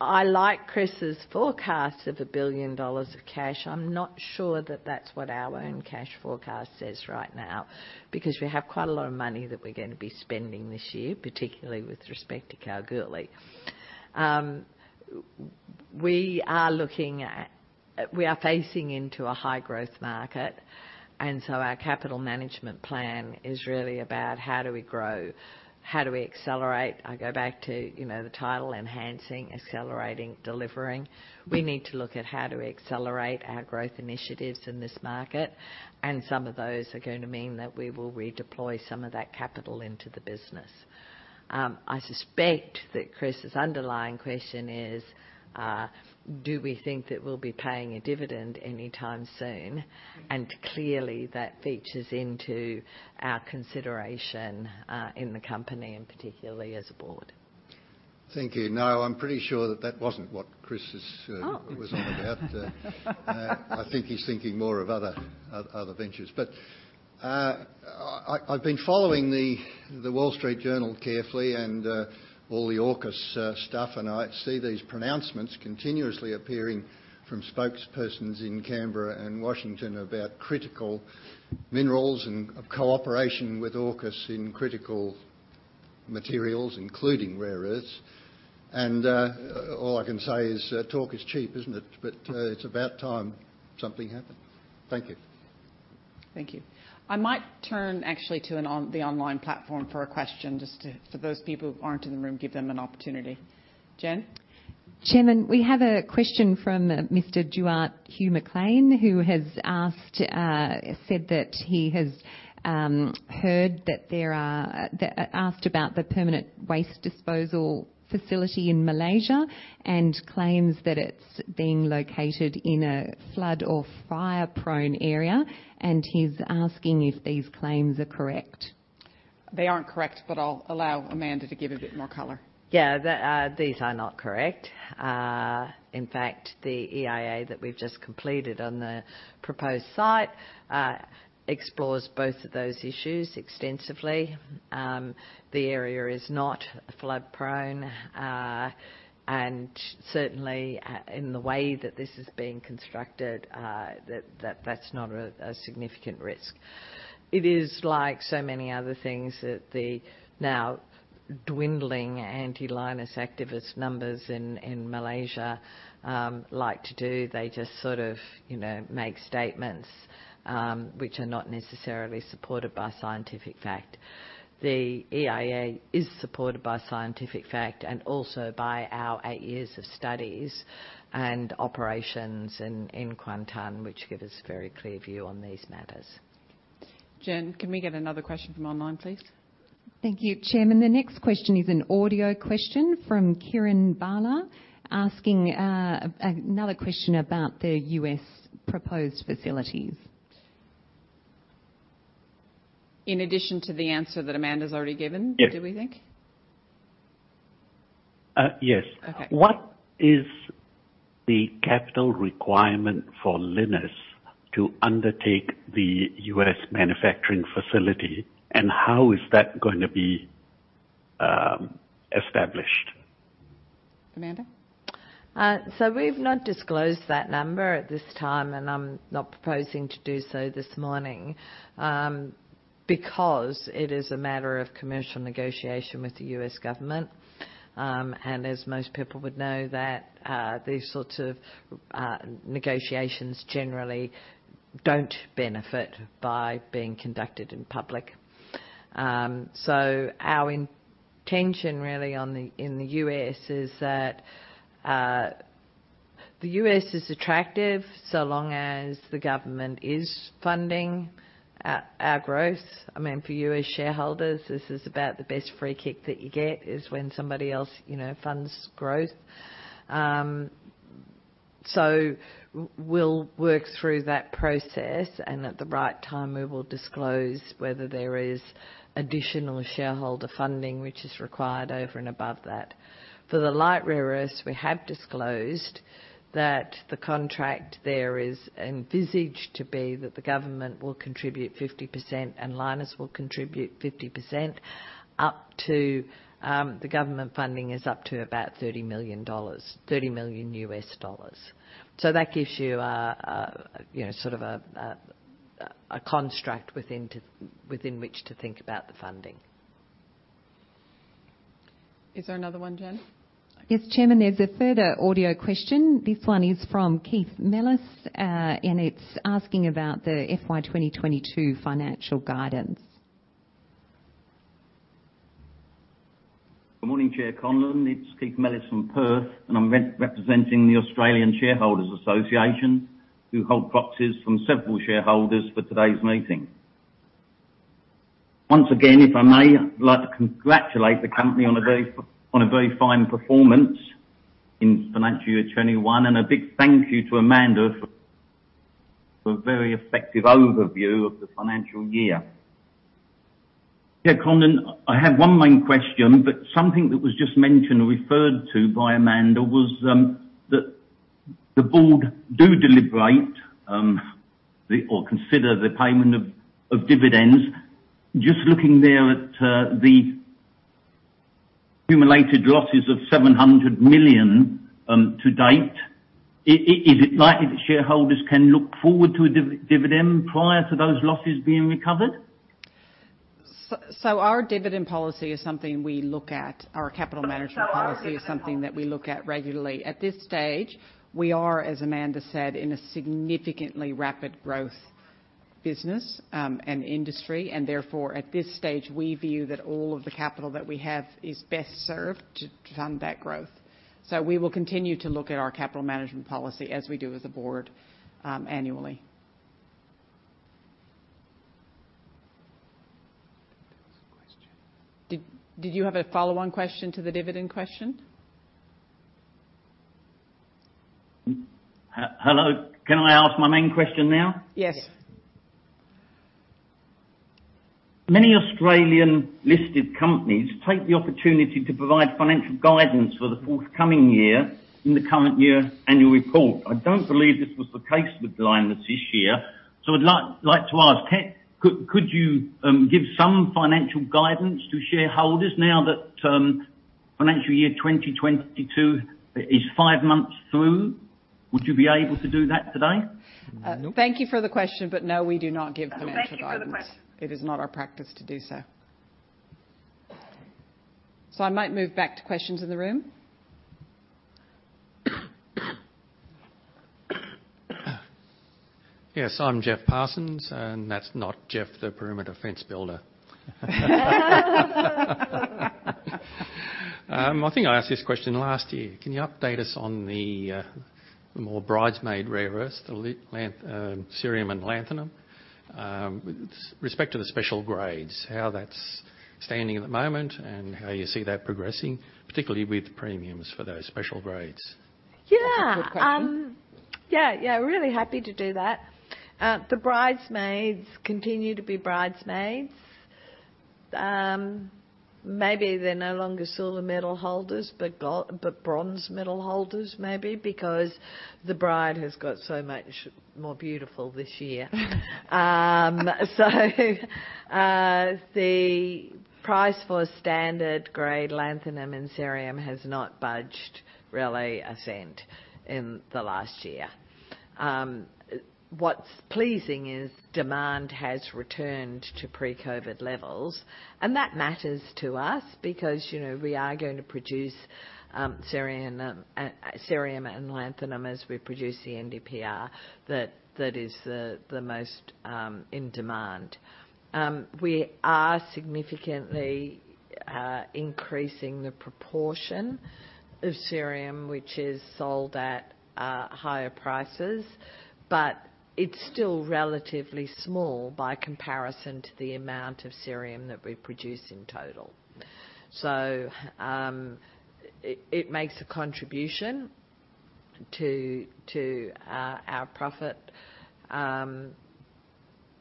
I like Chris's forecast of $1 billion of cash. I'm not sure that that's what our own cash forecast says right now because we have quite a lot of money that we're gonna be spending this year, particularly with respect to Kalgoorlie. We are facing into a high growth market, and so our capital management plan is really about how do we grow, how do we accelerate. I go back to, you know, the title, enhancing, accelerating, delivering. We need to look at how to accelerate our growth initiatives in this market, and some of those are gonna mean that we will redeploy some of that capital into the business. I suspect that Chris's underlying question is, do we think that we'll be paying a dividend anytime soon? Clearly that features into our consideration, in the company and particularly as a board. Thank you. No, I'm pretty sure that wasn't what Chris is. Oh... was on about. I think he's thinking more of other ventures. I've been following the Wall Street Journal carefully and all the AUKUS stuff, and I see these pronouncements continuously appearing from spokespersons in Canberra and Washington about critical minerals and cooperation with AUKUS in critical materials, including rare earths. All I can say is talk is cheap, isn't it? It's about time something happened. Thank you. Thank you. I might turn actually to the online platform for a question just to, for those people who aren't in the room, give them an opportunity. Jen? Chairman, we have a question from Mr. Duarte Hugh McLean, who has asked about the permanent waste disposal facility in Malaysia and claims that it's being located in a flood or fire-prone area, and he's asking if these claims are correct. They aren't correct, but I'll allow Amanda to give a bit more color. Yeah. These are not correct. In fact, the EIA that we've just completed on the proposed site explores both of those issues extensively. The area is not flood prone, and certainly in the way that this is being constructed, that's not a significant risk. It is like so many other things that the now dwindling anti-Lynas activist numbers in Malaysia like to do. They just sort of, you know, make statements, which are not necessarily supported by scientific fact. The EIA is supported by scientific fact and also by our eight years of studies and operations in Kuantan, which give us a very clear view on these matters. Jen, can we get another question from online, please? Thank you, Chairman. The next question is an audio question from Kieran Bala asking, another question about the U.S. proposed facilities. In addition to the answer that Amanda's already given. Yes. Do we think? Yes. Okay. What is the capital requirement for Lynas to undertake the U.S. manufacturing facility, and how is that going to be established? Amanda? We've not disclosed that number at this time, and I'm not proposing to do so this morning, because it is a matter of commercial negotiation with the U.S. government. As most people would know that these sorts of negotiations generally don't benefit by being conducted in public. Our intention really in the U.S. is that the U.S. is attractive so long as the government is funding our growth. I mean, for you as shareholders, this is about the best free kick that you get, when somebody else, you know, funds growth. We'll work through that process and at the right time, we will disclose whether there is additional shareholder funding which is required over and above that. For the light rare earths, we have disclosed that the contract there is envisaged to be that the government will contribute 50% and Lynas will contribute 50%, up to the government funding is up to about $30 million. That gives you a, you know, sort of a construct within which to think about the funding. Is there another one, Jen? Yes, Chairman, there's a further audio question. This one is from Keith Melas, and it's asking about the FY 2022 financial guidance. Good morning, Chair Conlon. It's Keith Melas from Perth, and I'm representing the Australian Shareholders' Association, who hold proxies from several shareholders for today's meeting. Once again, if I may, I'd like to congratulate the company on a very fine performance in financial year 2021, and a big thank you to Amanda for a very effective overview of the financial year. Chair Conlon, I have one main question, but something that was just mentioned or referred to by Amanda was that the board do deliberate or consider the payment of dividends. Just looking there at the accumulated losses of 700 million to date, is it likely that shareholders can look forward to a dividend prior to those losses being recovered? Our dividend policy is something we look at. Our capital management policy is something that we look at regularly. At this stage, we are, as Amanda said, in a significantly rapid growth business, and industry, and therefore, at this stage, we view that all of the capital that we have is best served to fund that growth. We will continue to look at our capital management policy as we do as a board, annually. I think there was a question. Did you have a follow-on question to the dividend question? Hello. Can I ask my main question now? Yes. Many Australian listed companies take the opportunity to provide financial guidance for the forthcoming year in the current year annual report. I don't believe this was the case with Lynas this year. I'd like to ask, could you give some financial guidance to shareholders now that financial year 2022 is five months through? Would you be able to do that today? No. Thank you for the question, but no, we do not give financial guidance. Thank you for the question. It is not our practice to do so. I might move back to questions in the room. Yes, I'm Jeff Parsons, and that's not Jeff, the perimeter fence builder. I think I asked this question last year. Can you update us on the byproduct rare earths, the cerium and lanthanum, with respect to the special grades, how that's standing at the moment and how you see that progressing, particularly with premiums for those special grades? Yeah. That's a good question. Yeah, yeah, really happy to do that. The bridesmaids continue to be bridesmaids. Maybe they're no longer silver medal holders, but bronze medal holders, maybe because the bride has got so much more beautiful this year. The price for standard grade lanthanum and cerium has not budged really a cent in the last year. What's pleasing is demand has returned to pre-COVID-19 levels, and that matters to us because, you know, we are going to produce cerium and lanthanum as we produce the NdPr that is the most in demand. We are significantly increasing the proportion of cerium, which is sold at higher prices, but it's still relatively small by comparison to the amount of cerium that we produce in total. It makes a contribution to our profit.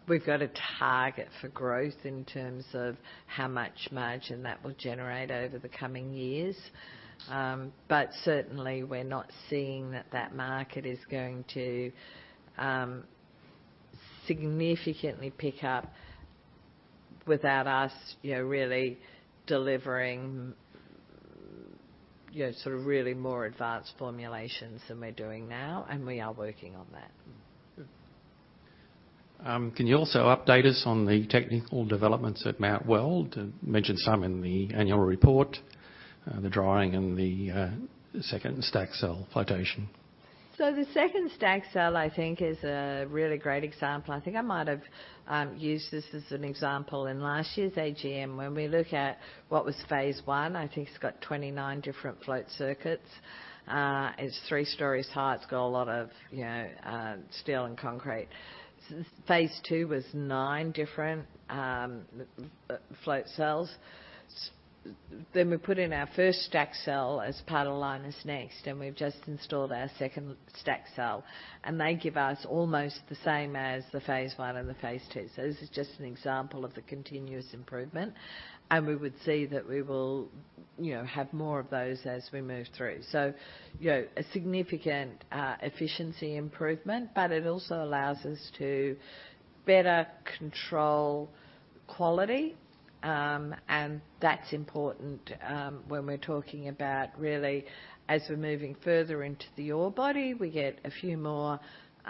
We've got a target for growth in terms of how much margin that will generate over the coming years. Certainly we're not seeing that market is going to significantly pick up without us, you know, really delivering, you know, sort of really more advanced formulations than we're doing now, and we are working on that. Good. Can you also update us on the technical developments at Mount Weld? You mentioned some in the annual report, the drilling and the second stack cell flotation. The second stack cell I think is a really great example. I think I might have used this as an example in last year's AGM. When we look at what was phase one, I think it's got 29 different float circuits. It's three stories high. It's got a lot of, you know, steel and concrete. Phase two was nine different float cells. Then we put in our first stack cell as part of Lynas NEXT, and we've just installed our second stack cell, and they give us almost the same as the phase one and the phase two. This is just an example of the continuous improvement, and we would see that we will, you know, have more of those as we move through. You know, a significant efficiency improvement, but it also allows us to better control quality. That's important when we're talking about really as we're moving further into the ore body, we get a few more, you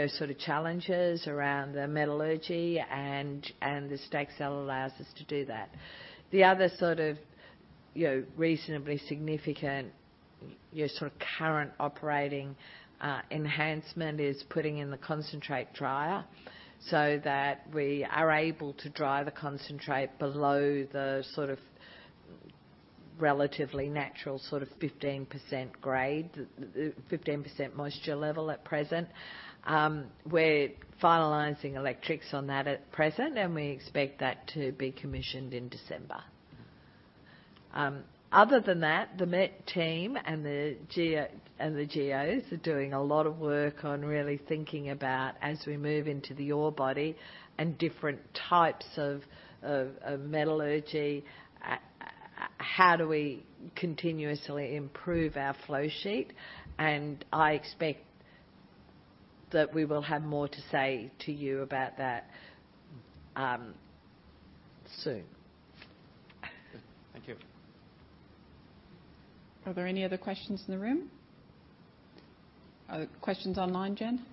know, sort of challenges around the metallurgy and the stack cell allows us to do that. The other sort of, you know, reasonably significant, you know, sort of current operating enhancement is putting in the concentrate dryer so that we are able to dry the concentrate below the sort of relatively natural sort of 15% grade, the 15% moisture level at present. We're finalizing electrics on that at present, and we expect that to be commissioned in December. Other than that, the met team and the geo, and the geos are doing a lot of work on really thinking about as we move into the ore body and different types of metallurgy, how do we continuously improve our flow sheet? I expect that we will have more to say to you about that soon. Thank you. Are there any other questions in the room? Are there questions online, Jen?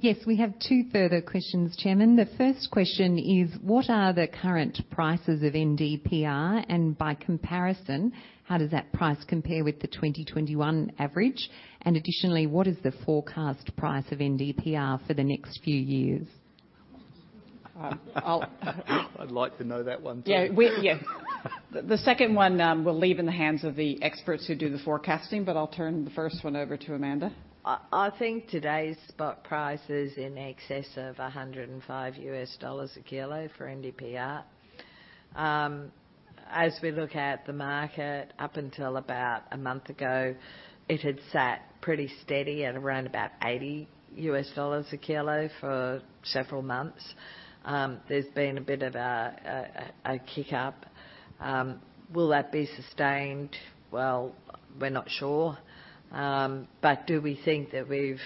Yes, we have two further questions, Chairman. The first question is: What are the current prices of NDPR? And by comparison, how does that price compare with the 2021 average? And additionally, what is the forecast price of NDPR for the next few years? I'll I'd like to know that one too. Yeah. The second one, we'll leave in the hands of the experts who do the forecasting, but I'll turn the first one over to Amanda. I think today's spot price is in excess of $105 a kilo for NdPr. As we look at the market, up until about a month ago, it had sat pretty steady at around about $80 a kilo for several months. There's been a bit of a kick up. Will that be sustained? Well, we're not sure. But do we think that we've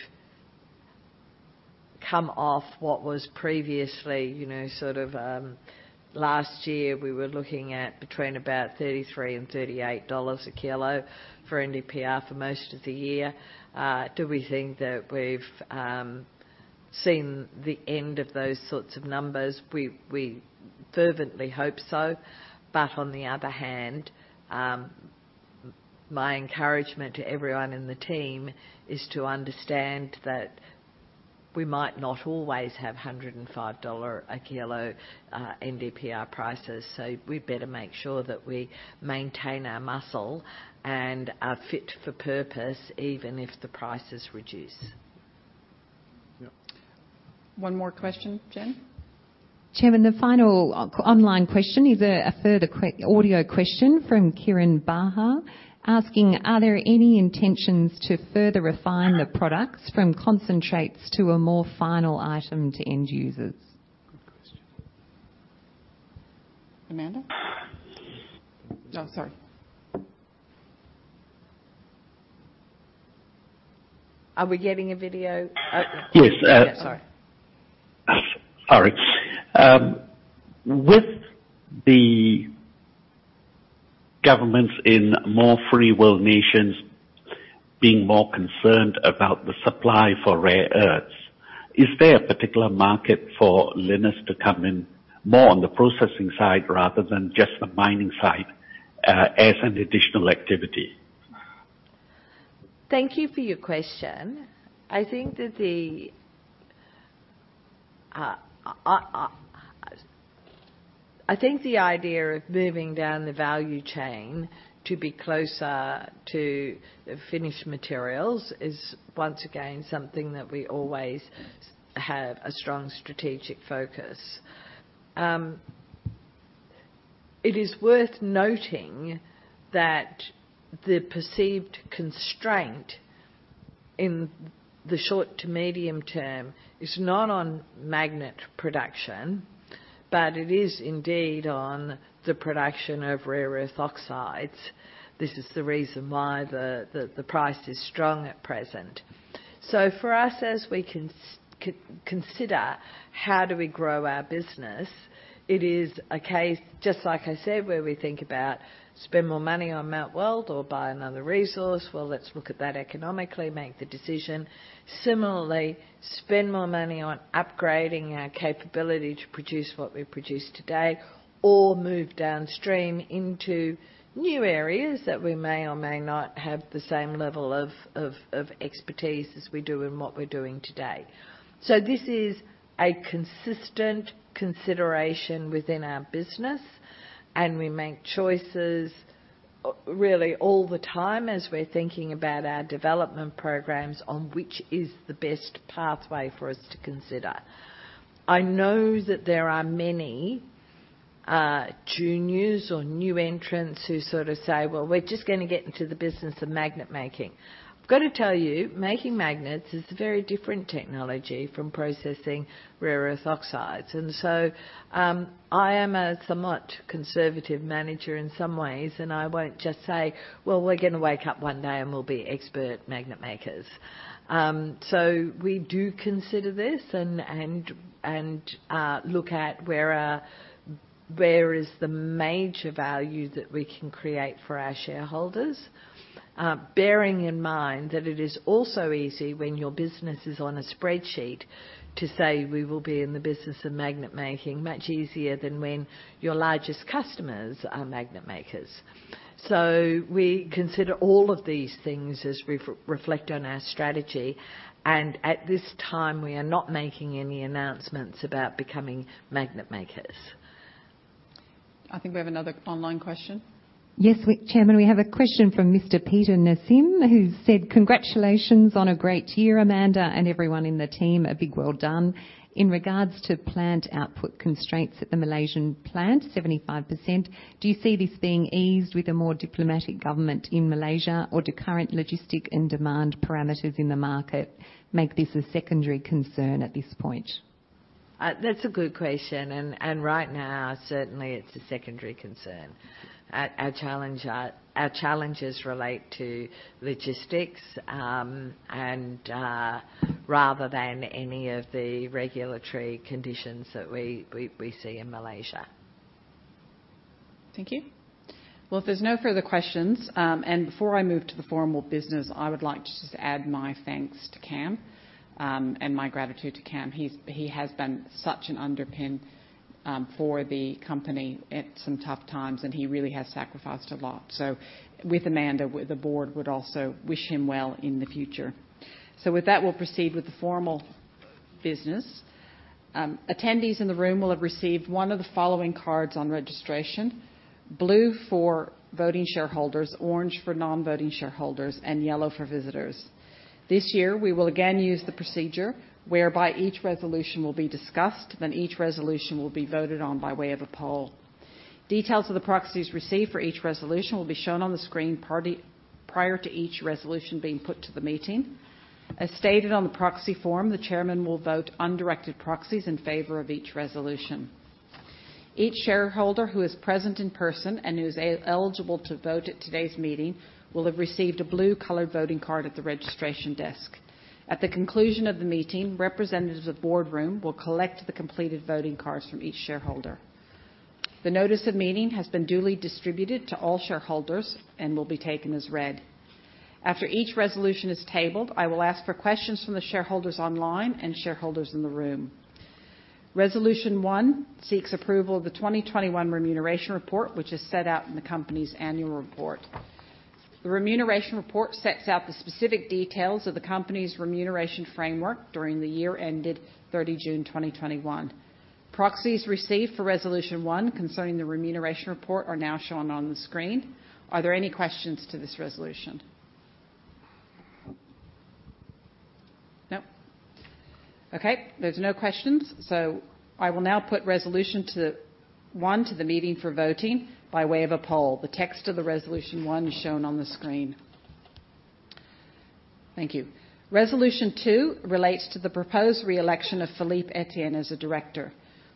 come off what was previously, you know, sort of, last year we were looking at between about $33 and $38 a kilo for NdPr for most of the year. Do we think that we've seen the end of those sorts of numbers? We fervently hope so. On the other hand, my encouragement to everyone in the team is to understand that we might not always have $105 a kilo NdPr prices. We better make sure that we maintain our muscle and are fit for purpose even if the prices reduce. Yeah. One more question, Jen. Chairman, the final online question is, a further audio question from Kieran Bala asking: Are there any intentions to further refine the products from concentrates to a more final item to end users? Good question. Amanda? Oh, sorry. Are we getting a video? Yes. Yeah, sorry. Sorry, with the governments in more free world nations being more concerned about the supply for rare earths, is there a particular market for Lynas to come in more on the processing side rather than just the mining side, as an additional activity? Thank you for your question. I think that the idea of moving down the value chain to be closer to the finished materials is once again something that we always have a strong strategic focus. It is worth noting that the perceived constraint in the short to medium term is not on magnet production, but it is indeed on the production of rare earth oxides. This is the reason why the price is strong at present. For us, as we consider how do we grow our business, it is a case, just like I said, where we think about spend more money on Mount Weld or buy another resource. Well, let's look at that economically, make the decision. Similarly, spend more money on upgrading our capability to produce what we produce today, or move downstream into new areas that we may or may not have the same level of expertise as we do in what we're doing today. This is a consistent consideration within our business, and we make choices, really all the time as we're thinking about our development programs on which is the best pathway for us to consider. I know that there are many, juniors or new entrants who sort of say, "Well, we're just gonna get into the business of magnet making." I've got to tell you, making magnets is a very different technology from processing rare earth oxides. I am a somewhat conservative manager in some ways, and I won't just say, "Well, we're gonna wake up one day and we'll be expert magnet makers." We do consider this and look at where is the major value that we can create for our shareholders. Bearing in mind that it is also easy when your business is on a spreadsheet to say, we will be in the business of magnet making, much easier than when your largest customers are magnet makers. We consider all of these things as reflect on our strategy, and at this time, we are not making any announcements about becoming magnet makers. I think we have another online question. Chairman, we have a question from Mr. Peter Nassim, who said: Congratulations on a great year, Amanda, and everyone in the team, a big well done. In regards to plant output constraints at the Malaysian plant, 75%, do you see this being eased with a more diplomatic government in Malaysia, or do current logistics and demand parameters in the market make this a secondary concern at this point? That's a good question. Right now, certainly it's a secondary concern. Our challenges relate to logistics and rather than any of the regulatory conditions that we see in Malaysia. Thank you. Well, if there's no further questions, and before I move to the formal business, I would like to just add my thanks to Cam, and my gratitude to Cam. He has been such an underpinning for the company at some tough times, and he really has sacrificed a lot. With Amanda, the board would also wish him well in the future. With that, we'll proceed with the formal business. Attendees in the room will have received one of the following cards on registration. Blue for voting shareholders, orange for non-voting shareholders, and yellow for visitors. This year, we will again use the procedure whereby each resolution will be discussed, then each resolution will be voted on by way of a poll. Details of the proxies received for each resolution will be shown on the screen prior to each resolution being put to the meeting. As stated on the proxy form, the chairman will vote undirected proxies in favor of each resolution. Each shareholder who is present in person and who is eligible to vote at today's meeting will have received a blue-colored voting card at the registration desk. At the conclusion of the meeting, representatives of the boardroom will collect the completed voting cards from each shareholder. The notice of meeting has been duly distributed to all shareholders and will be taken as read. After each resolution is tabled, I will ask for questions from the shareholders online and shareholders in the room. Resolution 1 seeks approval of the 2021 Remuneration Report, which is set out in the company's annual report. The Remuneration Report sets out the specific details of the company's remuneration framework during the year ended 30 June 2021. Proxies received for resolution one concerning the Remuneration Report are now shown on the screen. Are there any questions to this resolution? No? Okay, there's no questions. I will now put resolution one to the meeting for voting by way of a poll. The text of the resolution one is shown on the screen. Thank you. Resolution two relates to the proposed re-election of Philippe Etienne as a director.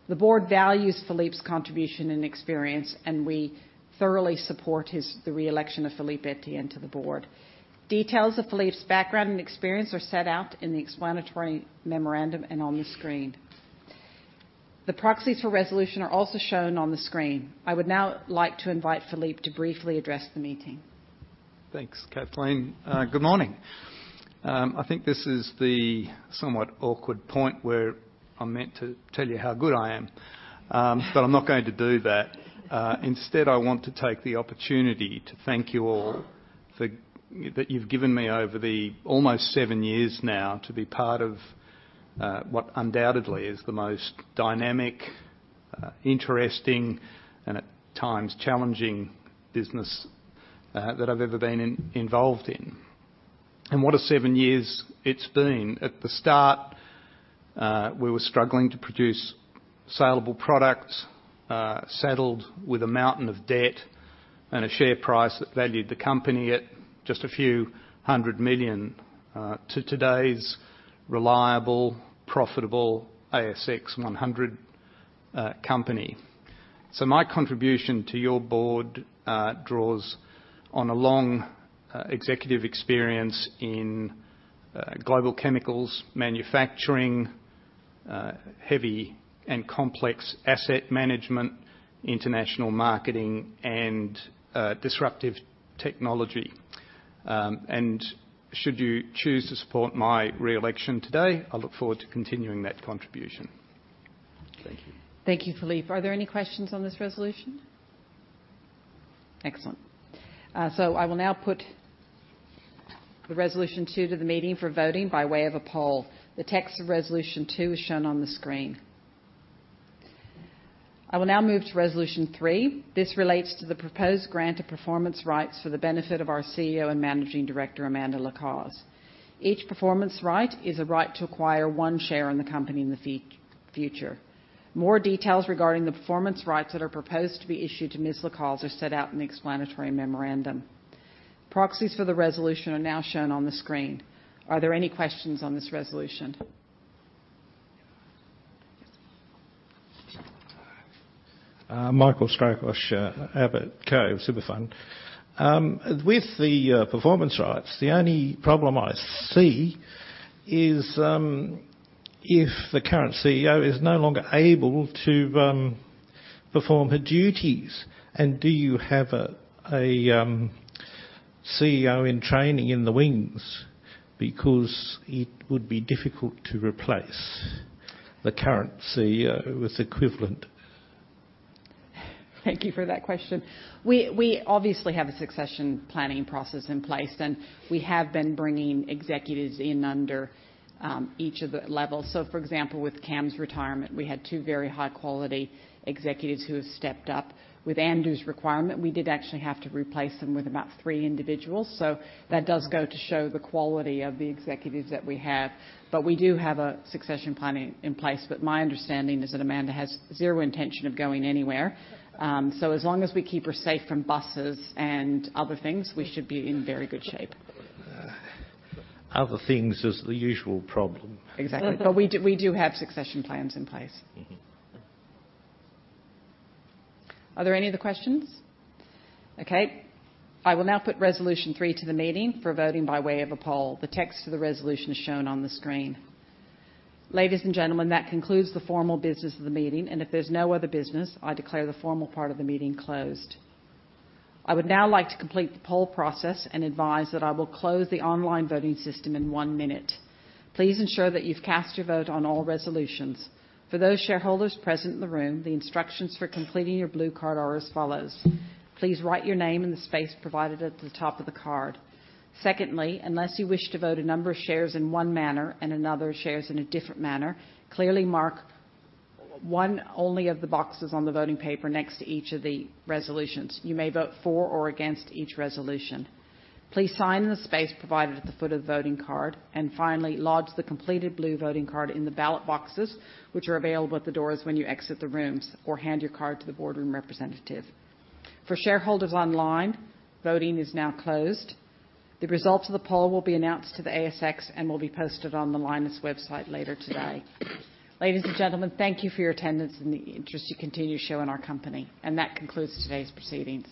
The board values Philippe's contribution and experience, and we thoroughly support the re-election of Philippe Etienne to the board. Details of Philippe's background and experience are set out in the explanatory memorandum and on the screen. The proxies for resolution two are also shown on the screen. I would now like to invite Philippe to briefly address the meeting. Thanks, Kathleen. Good morning. I think this is the somewhat awkward point where I'm meant to tell you how good I am. But I'm not going to do that. Instead, I want to take the opportunity to thank you all for the opportunity that you've given me over the almost seven years now to be part of what undoubtedly is the most dynamic, interesting, and at times challenging business that I've ever been involved in. What a seven years it's been. At the start, we were struggling to produce salable products, saddled with a mountain of debt and a share price that valued the company at just a few hundred million AUD to today's reliable, profitable ASX 100 company. My contribution to your board draws on a long executive experience in global chemicals, manufacturing, heavy and complex asset management, international marketing, and disruptive technology. Should you choose to support my re-election today, I look forward to continuing that contribution. Thank you. Thank you, Philippe. Are there any questions on this resolution? Excellent. I will now put the resolution two to the meeting for voting by way of a poll. The text of resolution two is shown on the screen. I will now move to resolution three. This relates to the proposed grant of performance rights for the benefit of our CEO and Managing Director, Amanda Lacaze. Each performance right is a right to acquire one share in the company in the future. More details regarding the performance rights that are proposed to be issued to Ms. Lacaze are set out in the explanatory memorandum. Proxies for the resolution are now shown on the screen. Are there any questions on this resolution? Michael Skrakac, Abbott Cove Superfund. With the performance rights, the only problem I see is if the current CEO is no longer able to perform her duties, and do you have a CEO in training in the wings? Because it would be difficult to replace the current CEO with equivalent. Thank you for that question. We obviously have a succession planning process in place, and we have been bringing executives in under each of the levels. For example, with Cam's retirement, we had two very high quality executives who have stepped up. With Andrew's requirement, we did actually have to replace him with about three individuals. That does go to show the quality of the executives that we have. We do have a succession planning in place. My understanding is that Amanda has zero intention of going anywhere. As long as we keep her safe from buses and other things, we should be in very good shape. Other things is the usual problem. Exactly. We do have succession plans in place. Mm-hmm. Are there any other questions? Okay. I will now put resolution three to the meeting for voting by way of a poll. The text to the resolution is shown on the screen. Ladies and gentlemen, that concludes the formal business of the meeting. If there's no other business, I declare the formal part of the meeting closed. I would now like to complete the poll process and advise that I will close the online voting system in one minute. Please ensure that you've cast your vote on all resolutions. For those shareholders present in the room, the instructions for completing your blue card are as follows. Please write your name in the space provided at the top of the card. Secondly, unless you wish to vote a number of shares in one manner and another shares in a different manner, clearly mark one only of the boxes on the voting paper next to each of the resolutions. You may vote for or against each resolution. Please sign the space provided at the foot of the voting card. Finally, lodge the completed blue voting card in the ballot boxes, which are available at the doors when you exit the rooms, or hand your card to the boardroom representative. For shareholders online, voting is now closed. The results of the poll will be announced to the ASX and will be posted on the Lynas website later today. Ladies and gentlemen, thank you for your attendance and the interest you continue to show in our company. That concludes today's proceedings.